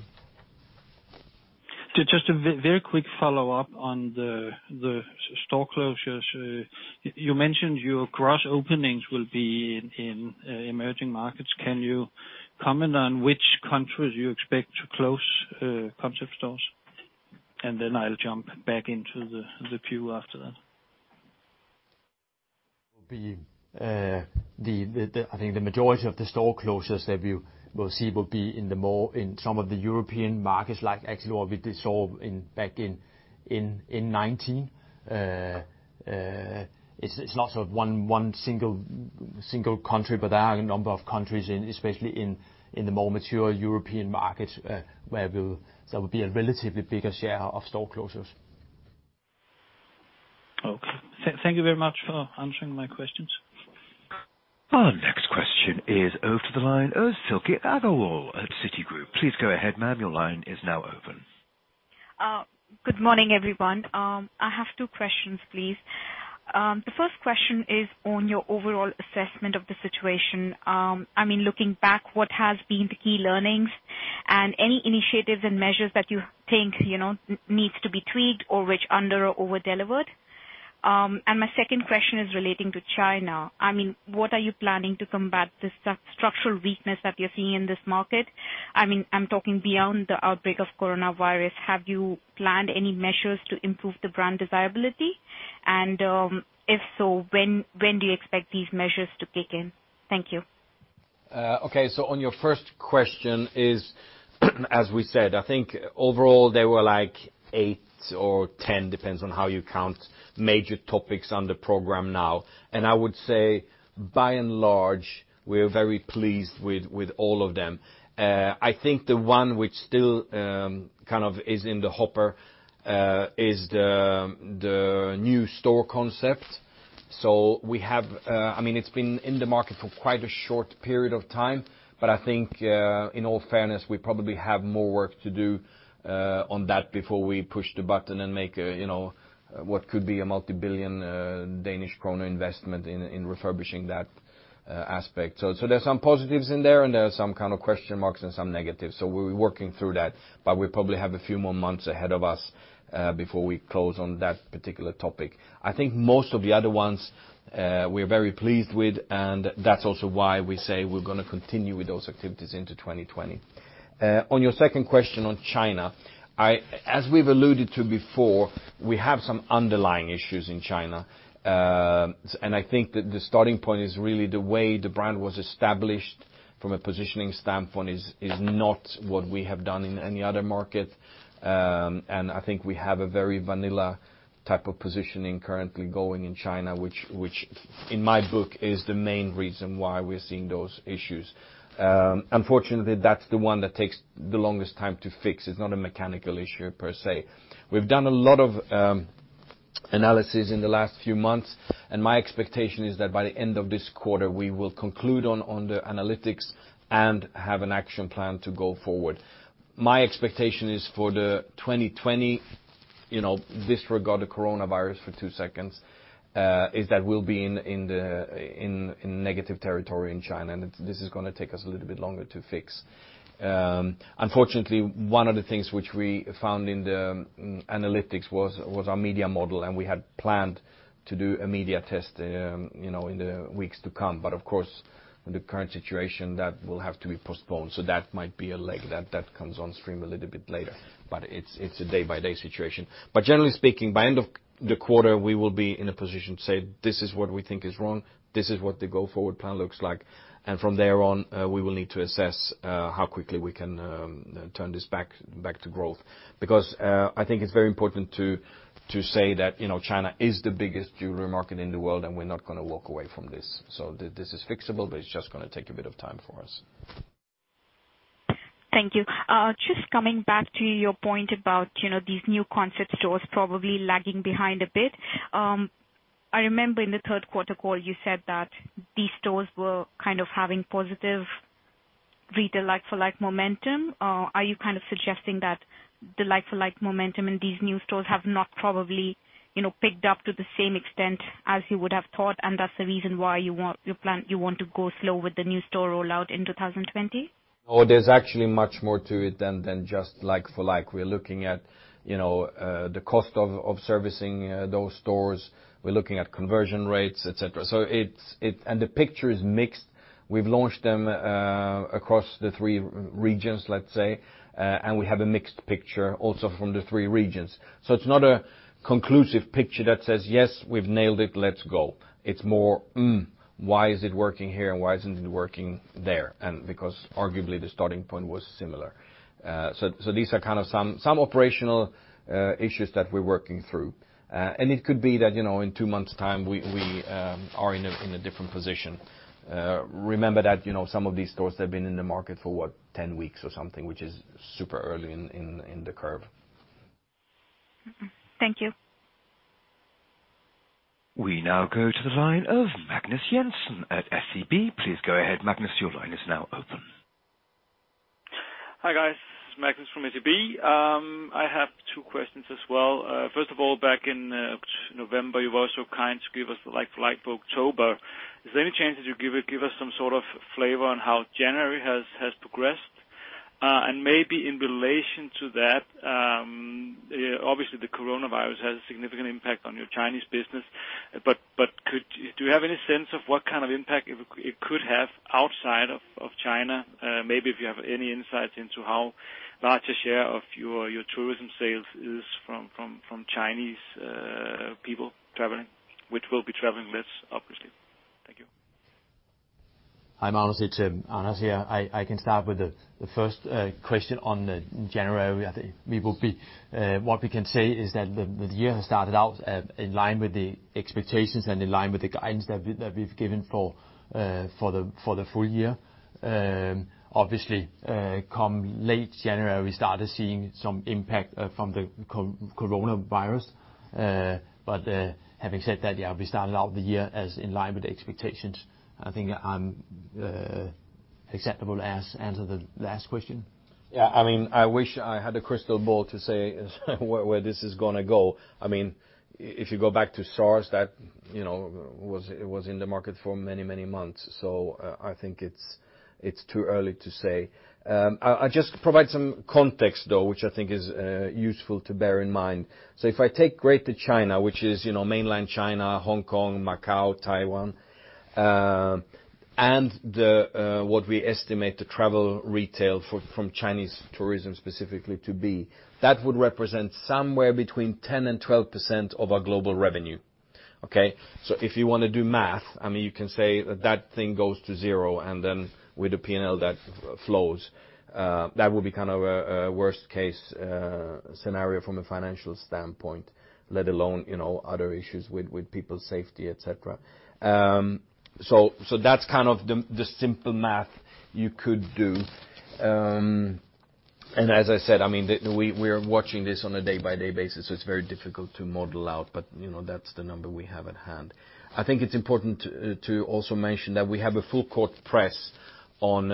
So just a very quick follow-up on the store closures. You mentioned your gross openings will be in emerging markets. Can you comment on which countries you expect to close concept stores? And then I'll jump back into the queue after that. Will be the majority of the store closures that you will see will be in the mall in some of the European markets, like actually what we did saw in back in 2019. It's not of one single country, but there are a number of countries in, especially in the more mature European markets, where there will be a relatively bigger share of store closures. Okay. Thank you very much for answering my questions. Our next question is over to the line of Silke Fastenrath at Citigroup. Please go ahead, ma'am. Your line is now open. Good morning, everyone. I have two questions, please. The first question is on your overall assessment of the situation. I mean, looking back, what has been the key learnings and any initiatives and measures that you think, you know, needs to be tweaked or which under or over-delivered? And my second question is relating to China. I mean, what are you planning to combat this structural weakness that you're seeing in this market? I mean, I'm talking beyond the outbreak of coronavirus. Have you planned any measures to improve the brand desirability? And, if so, when, when do you expect these measures to kick in? Thank you. Okay, so on your first question is, as we said, I think overall there were like 8 or 10, depends on how you count, major topics on the Programme NOW, and I would say, by and large, we are very pleased with, with all of them. I think the one which still, kind of is in the hopper, is the, the new store concept. So we have, I mean, it's been in the market for quite a short period of time, but I think, in all fairness, we probably have more work to do, on that before we push the button and make a, you know, what could be a multibillion DKK investment in, in refurbishing that, aspect. So, there's some positives in there, and there are some kind of question marks and some negatives. So we're working through that, but we probably have a few more months ahead of us before we close on that particular topic. I think most of the other ones, we're very pleased with, and that's also why we say we're gonna continue with those activities into 2020. On your second question on China, as we've alluded to before, we have some underlying issues in China. And I think that the starting point is really the way the brand was established from a positioning standpoint is not what we have done in any other market. And I think we have a very vanilla type of positioning currently going in China, which, in my book, is the main reason why we're seeing those issues. Unfortunately, that's the one that takes the longest time to fix. It's not a mechanical issue per se. We've done a lot of analysis in the last few months, and my expectation is that by the end of this quarter, we will conclude on the analytics and have an action plan to go forward. My expectation is for 2020, you know, disregard the coronavirus for two seconds, is that we'll be in negative territory in China, and this is gonna take us a little bit longer to fix. Unfortunately, one of the things which we found in the analytics was our media model, and we had planned to do a media test, you know, in the weeks to come, but of course, in the current situation, that will have to be postponed. So that might be a leg that, that comes on stream a little bit later, but it's, it's a day-by-day situation. But generally speaking, by end of the quarter, we will be in a position to say, "This is what we think is wrong. This is what the go-forward plan looks like." And from there on, we will need to assess how quickly we can turn this back, back to growth. Because, I think it's very important to say that, you know, China is the biggest jewelry market in the world, and we're not gonna walk away from this. So this is fixable, but it's just gonna take a bit of time for us. Thank you. Just coming back to your point about, you know, these new concept stores probably lagging behind a bit. I remember in the third quarter call, you said that these stores were kind of having positive retail Like-for-like momentum. Are you kind of suggesting that the Like-for-like momentum in these new stores have not probably, you know, picked up to the same extent as you would have thought, and that's the reason why you want, you plan, you want to go slow with the new store rollout in 2020? Oh, there's actually much more to it than just Like-for-like. We're looking at, you know, the cost of servicing those stores. We're looking at conversion rates, etc. So it's. And the picture is mixed. We've launched them across the three regions, let's say, and we have a mixed picture also from the three regions. So it's not a conclusive picture that says, "Yes, we've nailed it. Let's go." It's more, "Mm, why is it working here, and why isn't it working there?" And because arguably the starting point was similar. So these are kind of some operational issues that we're working through. And it could be that, you know, in two months' time, we are in a different position. Remember that, you know, some of these stores have been in the market for what, 10 weeks or something, which is super early in the curve. Thank you. We now go to the line of Magnus Jensen at SEB. Please go ahead, Magnus, your line is now open. Hi, guys, Magnus from SEB. I have two questions as well. First of all, back in November, you were so kind to give us the Like-for-like for October. Is there any chance that you give us some sort of flavor on how January has progressed? And maybe in relation to that, obviously, the coronavirus has a significant impact on your Chinese business, but could... Do you have any sense of what kind of impact it could have outside of China? Maybe if you have any insights into how large a share of your tourism sales is from Chinese people traveling, which will be traveling less, obviously. Thank you. I'm honestly, to be honest here, I can start with the first question on January. I think we will be... What we can say is that the year has started out in line with the expectations and in line with the guidance that we've given for the full year. Obviously, come late January, we started seeing some impact from the coronavirus. But having said that, yeah, we started out the year as in line with the expectations. I think I'm acceptable to answer the last question? Yeah, I mean, I wish I had a crystal ball to say where this is gonna go. I mean, if you go back to SARS, that, you know, was, it was in the market for many, many months, so I think it's too early to say. I'll just provide some context, though, which I think is useful to bear in mind. So if I take Greater China, which is, you know, mainland China, Hong Kong, Macau, Taiwan. ... and the what we estimate the travel retail for, from Chinese tourism specifically to be. That would represent somewhere between 10% and 12% of our global revenue, okay? So if you want to do math, I mean, you can say that that thing goes to zero, and then with the P&L that flows. That would be kind of a worst case scenario from a financial standpoint, let alone, you know, other issues with people's safety, etc. So that's kind of the simple math you could do. And as I said, I mean, we are watching this on a day-by-day basis, so it's very difficult to model out, but, you know, that's the number we have at hand. I think it's important to also mention that we have a full court press on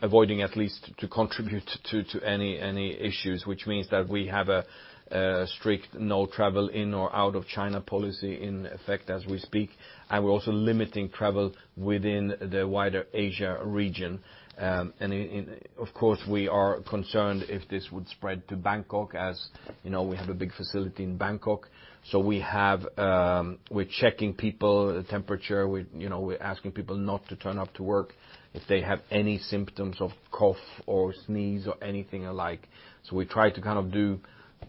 avoiding at least to contribute to any issues, which means that we have a strict no travel in or out of China policy in effect as we speak, and we're also limiting travel within the wider Asia region. And of course, we are concerned if this would spread to Bangkok, as you know, we have a big facility in Bangkok. So we have... We're checking people, the temperature. We, you know, we're asking people not to turn up to work if they have any symptoms of cough or sneeze or anything alike. So we try to kind of do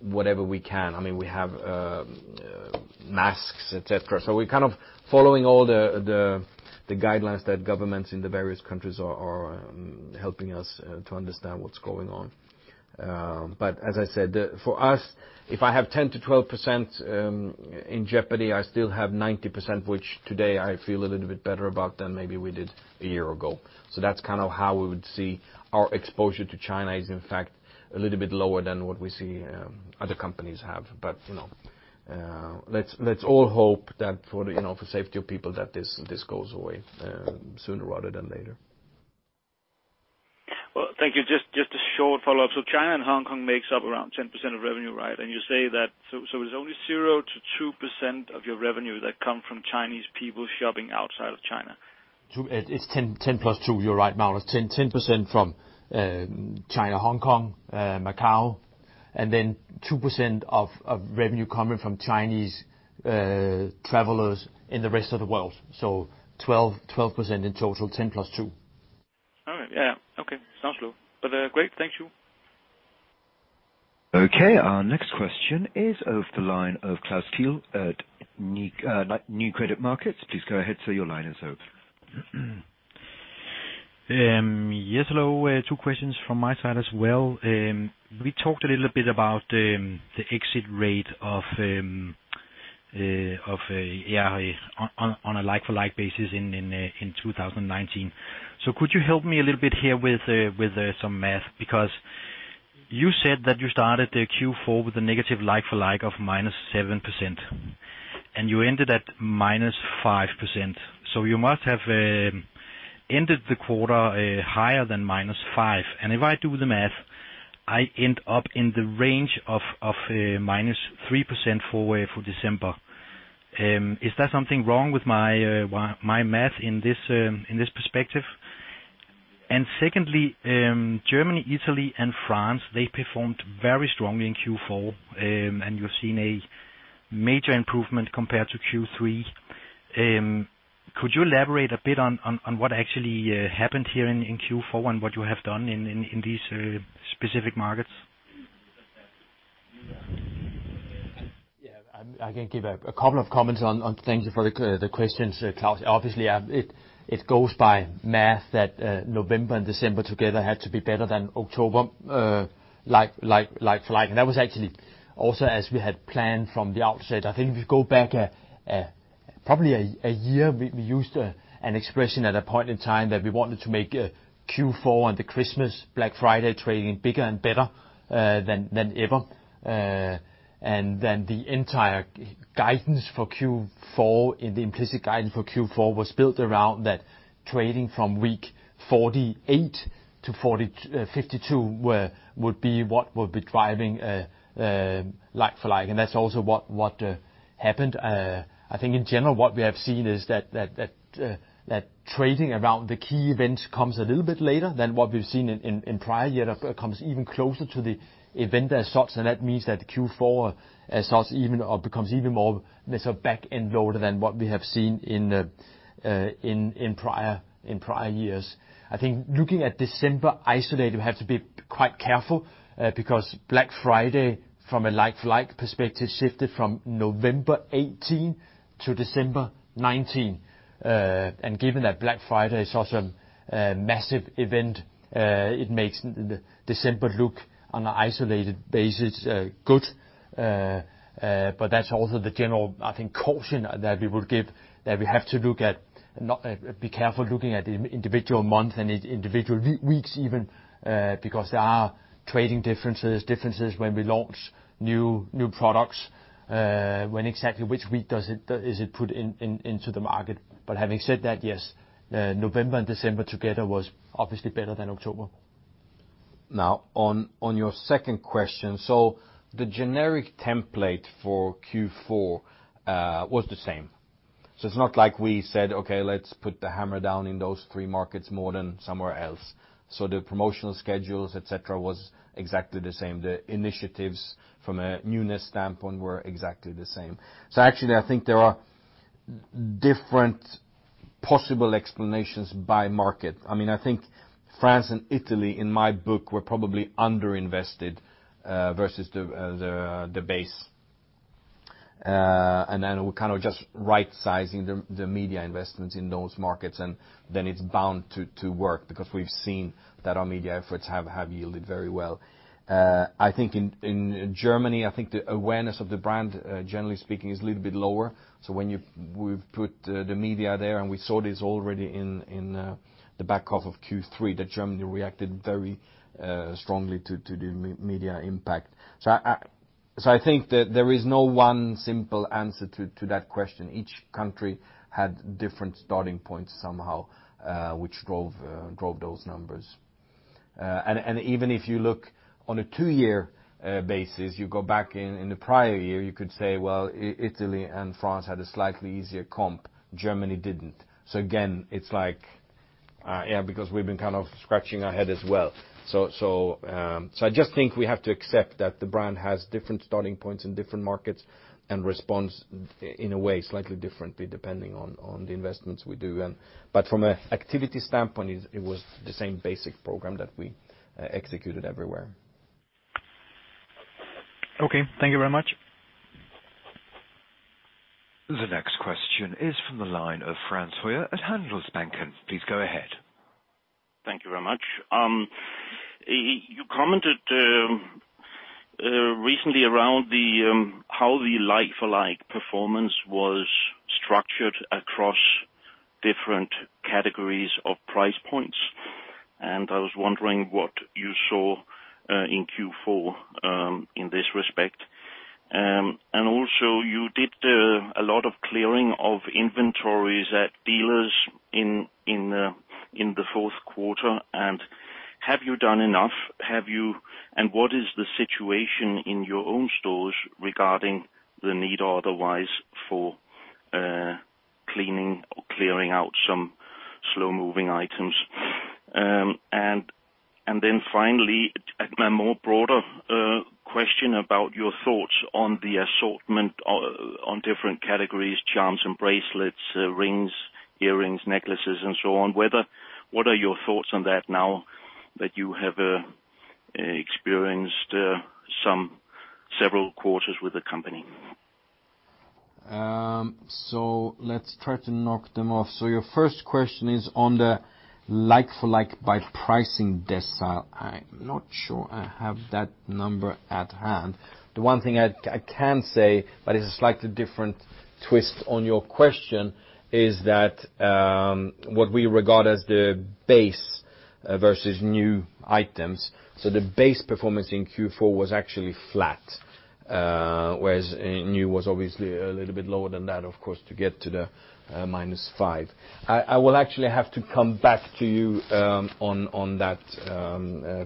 whatever we can. I mean, we have masks, etc. So we're kind of following all the guidelines that governments in the various countries are helping us to understand what's going on. But as I said, for us, if I have 10%-12% in jeopardy, I still have 90%, which today I feel a little bit better about than maybe we did a year ago. So that's kind of how we would see our exposure to China is in fact a little bit lower than what we see other companies have. But, you know, let's all hope that for the, you know, for the safety of people, that this goes away sooner rather than later. Well, thank you. Just, just a short follow-up. So China and Hong Kong makes up around 10% of revenue, right? And you say that... So, so it's only 0%-2% of your revenue that come from Chinese people shopping outside of China. Two- it's 10, 10 plus 2. You're right, Magnus. 10, 10% from China, Hong Kong, Macau, and then 2% of, of revenue coming from Chinese travelers in the rest of the world. So 12, 12% in total, 10 plus 2. All right. Yeah, okay. Sounds low. But, great. Thank you. Okay, our next question is over the line of Klaus Kehl at Nykredit Markets. Please go ahead, sir, your line is open. Yes, hello. Two questions from my side as well. We talked a little bit about the exit rate of ARI on a Like-for-like basis in 2019. So could you help me a little bit here with some math? Because you said that you started the Q4 with a negative Like-for-like of -7%, and you ended at -5%. So you must have ended the quarter higher than -5%. And if I do the math, I end up in the range of -3% for December. Is there something wrong with my math in this perspective? Secondly, Germany, Italy and France, they performed very strongly in Q4, and you've seen a major improvement compared to Q3. Could you elaborate a bit on what actually happened here in Q4 and what you have done in these specific markets? Yeah, I can give a couple of comments on that. Thank you for the questions, Klaus. Obviously, it goes by math that November and December together had to be better than October, Like-for-like. And that was actually also as we had planned from the outset. I think if you go back, probably a year, we used an expression at a point in time that we wanted to make Q4 and the Christmas Black Friday trading bigger and better than ever. And then the entire guidance for Q4, and the implicit guidance for Q4 was built around that trading from week 48 to 52 would be what would be driving Like-for-like, and that's also what happened. I think in general, what we have seen is that trading around the key events comes a little bit later than what we've seen in prior years, comes even closer to the event as such, so that means that Q4 as such even becomes even more or less a back-end loader than what we have seen in prior years. I think looking at December isolated, we have to be quite careful, because Black Friday, from a Like-for-like perspective, shifted from November 18 to December 19. And given that Black Friday is such a massive event, it makes the December look on an isolated basis good. But that's also the general, I think, caution that we would give, that we have to be careful looking at the individual month and individual weeks even, because there are trading differences, differences when we launch new products, when exactly which week it is put into the market. But having said that, yes, November and December together was obviously better than October. Now, on your second question, so the generic template for Q4 was the same. So it's not like we said, "Okay, let's put the hammer down in those three markets more than somewhere else." So the promotional schedules, etc, was exactly the same. The initiatives from a newness standpoint were exactly the same. So actually, I think there are-... different possible explanations by market. I mean, I think France and Italy, in my book, were probably underinvested versus the base. And then we're kind of just right sizing the media investments in those markets, and then it's bound to work, because we've seen that our media efforts have yielded very well. I think in Germany, I think the awareness of the brand, generally speaking, is a little bit lower. So when we've put the media there, and we saw this already in the back half of Q3, that Germany reacted very strongly to the media impact. So I think that there is no one simple answer to that question. Each country had different starting points somehow, which drove those numbers. And even if you look on a two-year basis, you go back in the prior year, you could say, well, Italy and France had a slightly easier comp, Germany didn't. So again, it's like, yeah, because we've been kind of scratching our head as well. So I just think we have to accept that the brand has different starting points in different markets and responds in a way slightly differently, depending on the investments we do. And but from an activity standpoint, it was the same basic program that we executed everywhere. Okay, thank you very much. The next question is from the line of Frans Hoyer at Handelsbanken. Please go ahead. Thank you very much. You commented recently around how the Like-for-like performance was structured across different categories of price points, and I was wondering what you saw in Q4 in this respect. And also, you did a lot of clearing of inventories at dealers in the fourth quarter. And have you done enough? And what is the situation in your own stores regarding the need or otherwise for cleaning or clearing out some slow-moving items? And then finally, a more broader question about your thoughts on the assortment on different categories, charms and bracelets, rings, earrings, necklaces, and so on. Whether, what are your thoughts on that now that you have experienced some several quarters with the company? So let's try to knock them off. So your first question is on the Like-for-like by pricing decile. I'm not sure I have that number at hand. The one thing I can say, but it's a slightly different twist on your question, is that what we regard as the base versus new items, so the base performance in Q4 was actually flat, whereas new was obviously a little bit lower than that, of course, to get to the -5. I will actually have to come back to you on that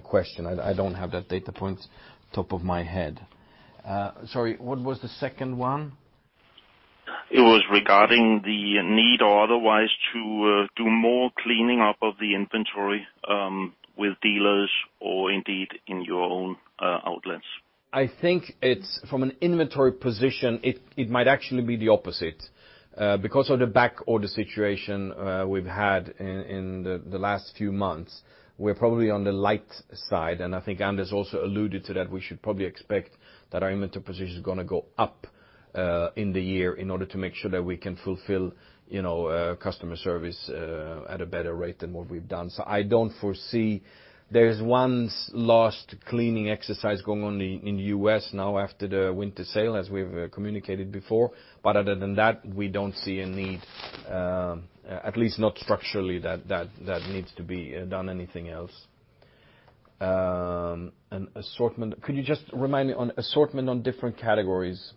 question. I don't have that data point top of my head. Sorry, what was the second one? It was regarding the need or otherwise to do more cleaning up of the inventory with dealers or indeed in your own outlets. I think it's, from an inventory position, it might actually be the opposite. Because of the back order situation, we've had in the last few months, we're probably on the light side, and I think Anders also alluded to that. We should probably expect that our inventory position is gonna go up in the year in order to make sure that we can fulfill, you know, customer service at a better rate than what we've done. So I don't foresee... There's one last cleaning exercise going on in the US now after the winter sale, as we've communicated before, but other than that, we don't see a need, at least not structurally, that needs to be done anything else. And assortment, could you just remind me on assortment on different categories?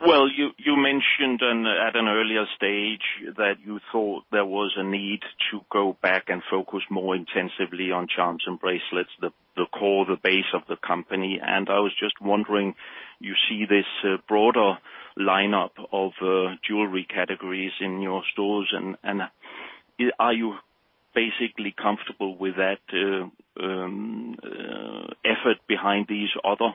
Well, you mentioned at an earlier stage that you thought there was a need to go back and focus more intensively on charms and bracelets, the core, the base of the company. And I was just wondering, you see this broader lineup of jewelry categories in your stores and are you basically comfortable with that effort behind these other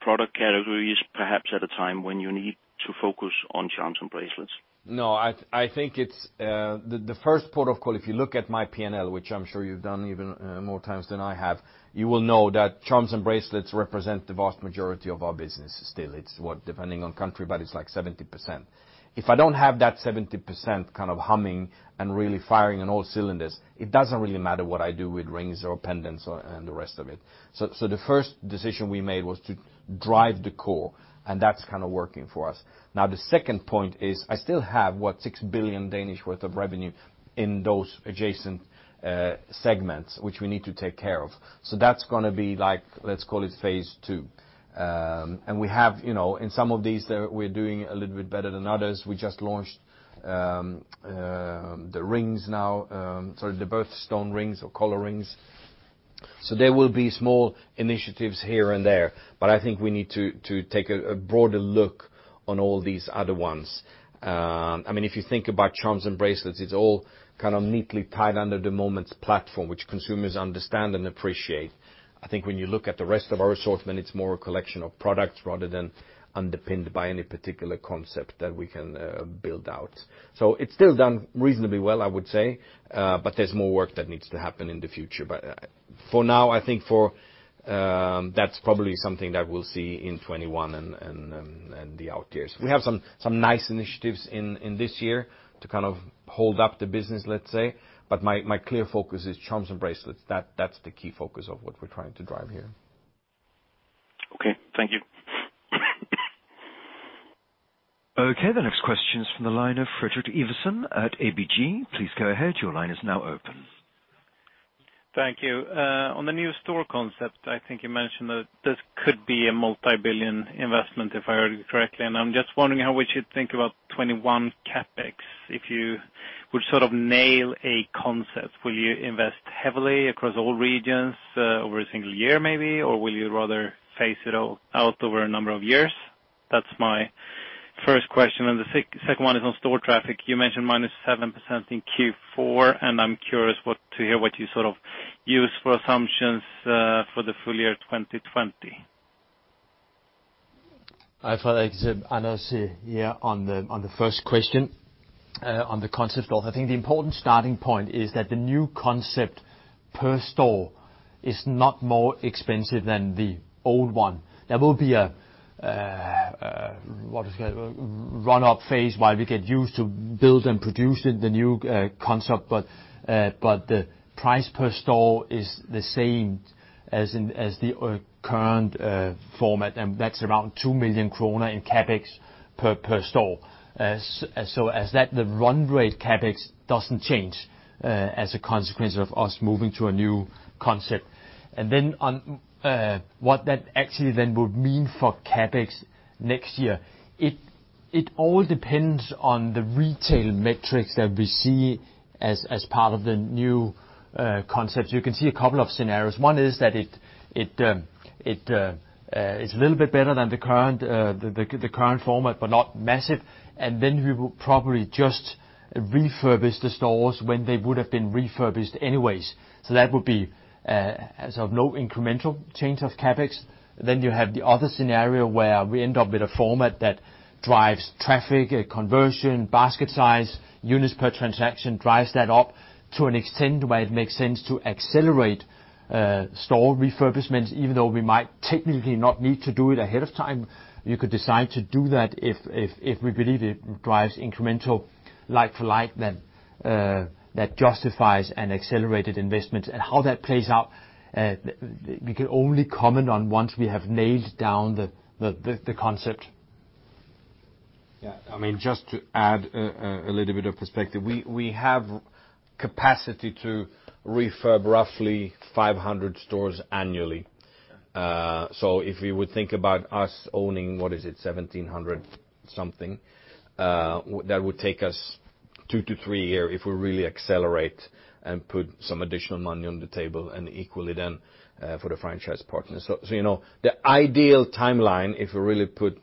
product categories, perhaps at a time when you need to focus on charms and bracelets? No, I think it's the first port of call, if you look at my P&L, which I'm sure you've done even more times than I have, you will know that charms and bracelets represent the vast majority of our business still. It's what, depending on country, but it's like 70%. If I don't have that 70% kind of humming and really firing on all cylinders, it doesn't really matter what I do with rings or pendants or, and the rest of it. So, the first decision we made was to drive the core, and that's kind of working for us. Now, the second point is, I still have, what, 6 billion worth of revenue in those adjacent segments, which we need to take care of. So that's gonna be like, let's call it Phase II. And we have, you know, in some of these, they're, we're doing a little bit better than others. We just launched the rings now, sorry, the birthstone rings or color rings... So there will be small initiatives here and there, but I think we need to take a broader look on all these other ones. I mean, if you think about charms and bracelets, it's all kind of neatly tied under the Moments platform, which consumers understand and appreciate. I think when you look at the rest of our assortment, it's more a collection of products rather than underpinned by any particular concept that we can build out. So it's still done reasonably well, I would say, but there's more work that needs to happen in the future. But for now, I think that's probably something that we'll see in 2021 and the out years. We have some nice initiatives in this year to kind of hold up the business, let's say, but my clear focus is charms and bracelets. That's the key focus of what we're trying to drive here. Okay, thank you. Okay, the next question is from the line of Fredrik Ivarsson at ABG. Please go ahead. Your line is now open. Thank you. On the new store concept, I think you mentioned that this could be a multi-billion investment, if I heard you correctly. I'm just wondering how we should think about 2021 CapEx, if you would sort of nail a concept. Will you invest heavily across all regions over a single year, maybe? Or will you rather phase it all out over a number of years? That's my first question, and the second one is on store traffic. You mentioned -7% in Q4, and I'm curious to hear what you sort of use for assumptions for the full year 2020. Hi, Fredrik, it's Anders here on the first question on the concept of... I think the important starting point is that the new concept per store is not more expensive than the old one. There will be a, what do you say? Run-up phase while we get used to build and produce it, the new concept, but the price per store is the same as in the current format, and that's around 2 million kroner in CapEx per store. So as that, the run rate CapEx doesn't change as a consequence of us moving to a new concept. And then on what that actually then would mean for CapEx next year, it all depends on the retail metrics that we see as part of the new concept. You can see a couple of scenarios. One is that it's a little bit better than the current, the current format, but not massive. And then we will probably just refurbish the stores when they would have been refurbished anyways. So that would be, as of no incremental change of CapEx. Then you have the other scenario where we end up with a format that drives traffic, conversion, basket size, units per transaction, drives that up to an extent where it makes sense to accelerate, store refurbishments, even though we might technically not need to do it ahead of time. You could decide to do that if we believe it drives incremental Like-for-like, then, that justifies an accelerated investment. How that plays out, we can only comment on once we have nailed down the concept. Yeah, I mean, just to add a little bit of perspective, we have capacity to refurb roughly 500 stores annually. So if you would think about us owning, what is it? 1,700 something, that would take us 2-3 years if we really accelerate and put some additional money on the table and equally then for the franchise partners. So you know, the ideal timeline, if we really put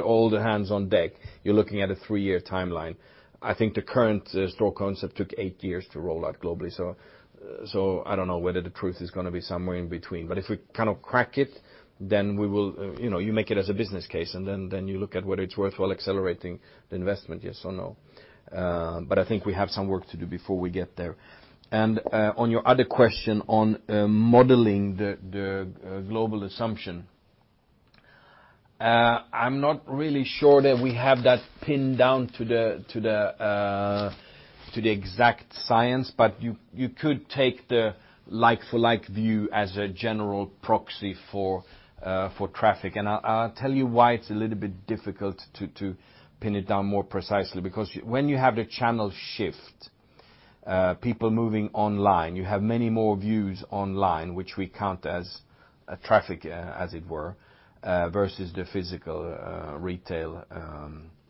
all the hands on deck, you're looking at a three-year timeline. I think the current store concept took 8 years to roll out globally. So I don't know whether the truth is gonna be somewhere in between, but if we kind of crack it, then we will... You know, you make it as a business case, and then you look at whether it's worthwhile accelerating the investment, yes or no. But I think we have some work to do before we get there. And on your other question on modeling the global assumption, I'm not really sure that we have that pinned down to the exact science, but you could take the Like-for-like view as a general proxy for traffic. And I'll tell you why it's a little bit difficult to pin it down more precisely, because when you have the channel shift, people moving online, you have many more views online, which we count as a traffic, as it were, versus the physical retail.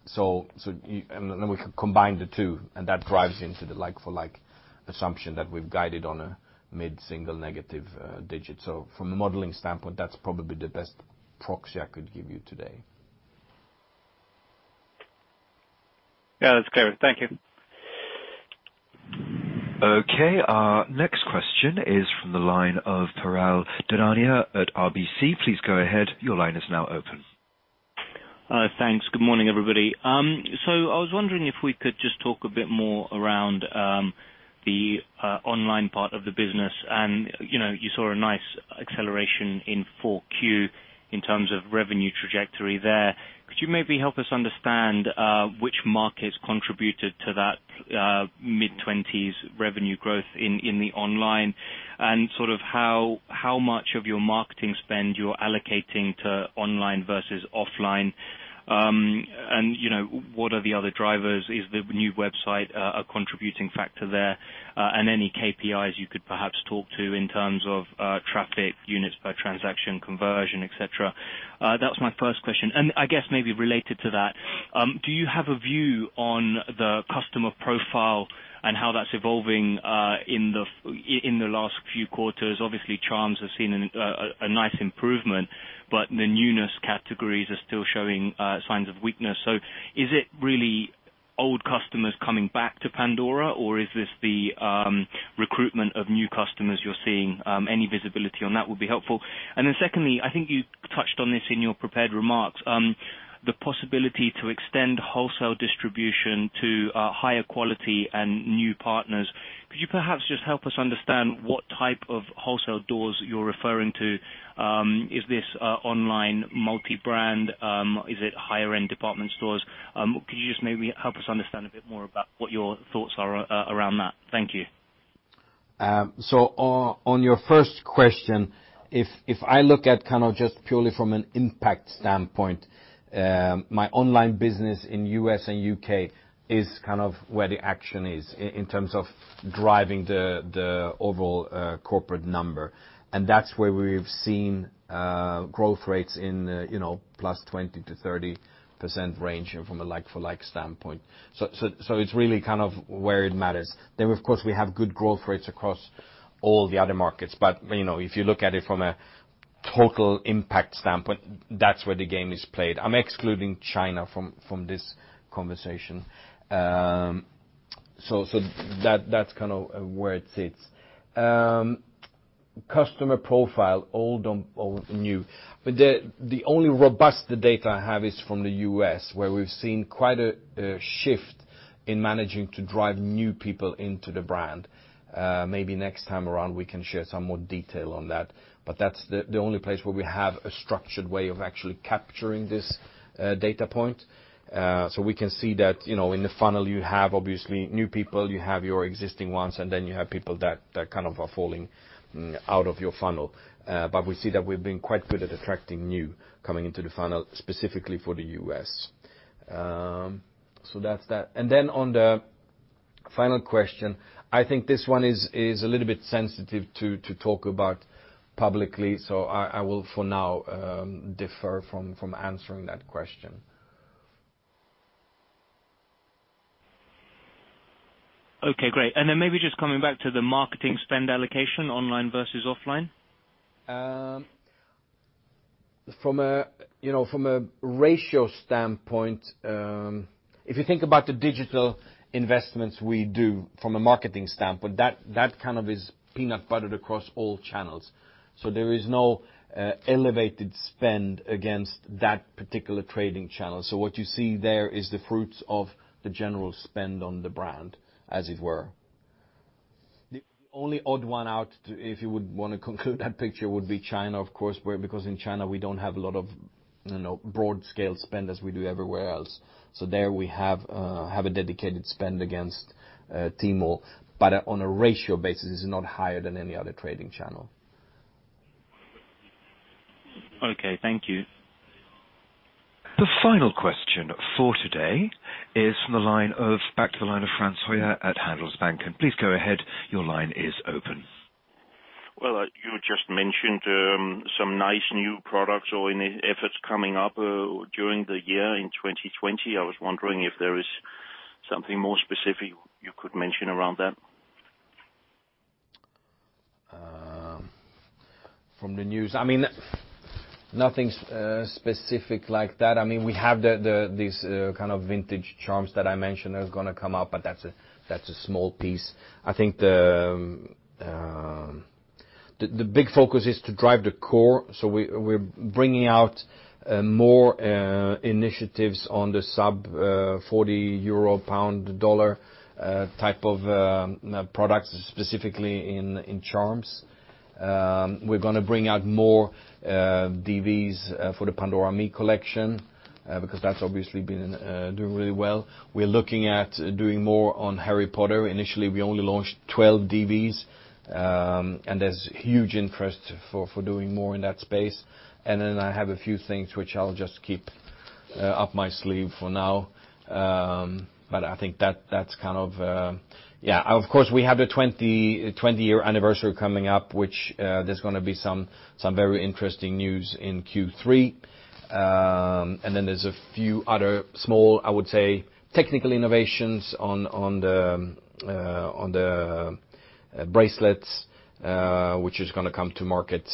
So you and then we combine the two, and that drives into the Like-for-like assumption that we've guided on a mid-single negative digit. So from a modeling standpoint, that's probably the best proxy I could give you today. Yeah, that's clear. Thank you. Okay, our next question is from the line of Piral Dadhania at RBC. Please go ahead. Your line is now open. Thanks. Good morning, everybody. So I was wondering if we could just talk a bit more around the online part of the business. And, you know, you saw a nice acceleration in Q4 in terms of revenue trajectory there. Could you maybe help us understand which markets contributed to that mid-20s revenue growth in the online? And sort of how much of your marketing spend you're allocating to online versus offline, and, you know, what are the other drivers? Is the new website a contributing factor there, and any KPIs you could perhaps talk to in terms of traffic, units per transaction, conversion, etc?... That was my first question, and I guess maybe related to that, do you have a view on the customer profile and how that's evolving in the last few quarters? Obviously, charms have seen a nice improvement, but the newness categories are still showing signs of weakness. So is it really old customers coming back to Pandora, or is this the recruitment of new customers you're seeing? Any visibility on that would be helpful. And then secondly, I think you touched on this in your prepared remarks, the possibility to extend wholesale distribution to higher quality and new partners. Could you perhaps just help us understand what type of wholesale doors you're referring to? Is this online, multi-brand, is it higher end department stores? Could you just maybe help us understand a bit more about what your thoughts are around that? Thank you. So on your first question, if I look at kind of just purely from an impact standpoint, my online business in U.S. and U.K. is kind of where the action is in terms of driving the overall corporate number. And that's where we've seen growth rates in, you know, plus 20%-30% range from a Like-for-like standpoint. So it's really kind of where it matters. Then, of course, we have good growth rates across all the other markets, but, you know, if you look at it from a total impact standpoint, that's where the game is played. I'm excluding China from this conversation. So that, that's kind of where it sits. Customer profile, old and new. But the only robust data I have is from the U.S., where we've seen quite a shift in managing to drive new people into the brand. Maybe next time around, we can share some more detail on that, but that's the only place where we have a structured way of actually capturing this data point. So we can see that, you know, in the funnel, you have obviously new people, you have your existing ones, and then you have people that kind of are falling out of your funnel. But we see that we've been quite good at attracting new coming into the funnel, specifically for the U.S. So that's that. And then on the final question, I think this one is a little bit sensitive to talk about publicly, so I will, for now, defer from answering that question. Okay, great. And then maybe just coming back to the marketing spend allocation, online versus offline. From a ratio standpoint, you know, if you think about the digital investments we do from a marketing standpoint, that, that kind of is peanut buttered across all channels, so there is no elevated spend against that particular trading channel. So what you see there is the fruits of the general spend on the brand, as it were. The only odd one out, if you would wanna conclude that picture, would be China, of course, where, because in China, we don't have a lot of, you know, broad-scale spend as we do everywhere else. So there we have a dedicated spend against Tmall, but on a ratio basis, it's not higher than any other trading channel. Okay, thank you. The final question for today is from the line of Frans Hoyer at Handelsbanken. Please go ahead, your line is open. Well, you just mentioned some nice new products or any efforts coming up during the year in 2020. I was wondering if there is something more specific you could mention around that? From the news, I mean, nothing specific like that. I mean, we have these kind of vintage charms that I mentioned that are gonna come out, but that's a small piece. I think the big focus is to drive the core, so we're bringing out more initiatives on the sub EUR 40, GBP 40, $40 type of products, specifically in charms. We're gonna bring out more DVs for the Pandora Me collection because that's obviously been doing really well. We're looking at doing more on Harry Potter. Initially, we only launched 12 DVs, and there's huge interest for doing more in that space. And then I have a few things which I'll just keep up my sleeve for now. But I think that, that's kind of... Yeah, of course, we have the 20-year anniversary coming up, which, there's gonna be some very interesting news in Q3. And then there's a few other small, I would say, technical innovations on the bracelets, which is gonna come to market,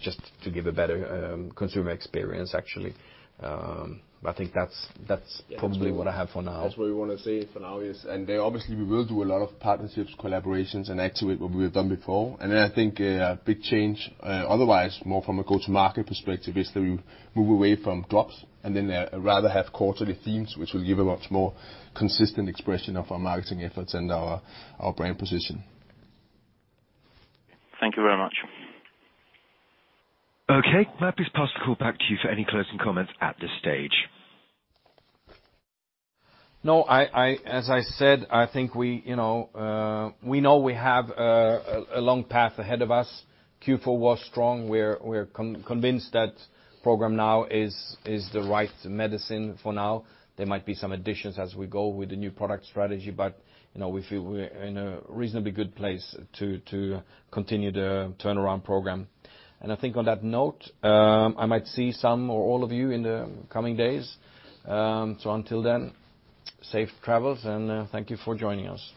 just to give a better consumer experience, actually. I think that's probably what I have for now. That's what we want to say for now, yes. And then, obviously, we will do a lot of partnerships, collaborations, and activate what we have done before. And then I think a big change, otherwise, more from a go-to-market perspective, is that we move away from drops and then, rather have quarterly themes, which will give a much more consistent expression of our marketing efforts and our brand position. Thank you very much. Okay, Mike, please pass the call back to you for any closing comments at this stage. No, as I said, I think we, you know, we know we have a long path ahead of us. Q4 was strong. We're convinced that Programme NOW is the right medicine for now. There might be some additions as we go with the new product strategy, but, you know, we feel we're in a reasonably good place to continue the turnaround program. And I think on that note, I might see some or all of you in the coming days. So until then, safe travels, and thank you for joining us.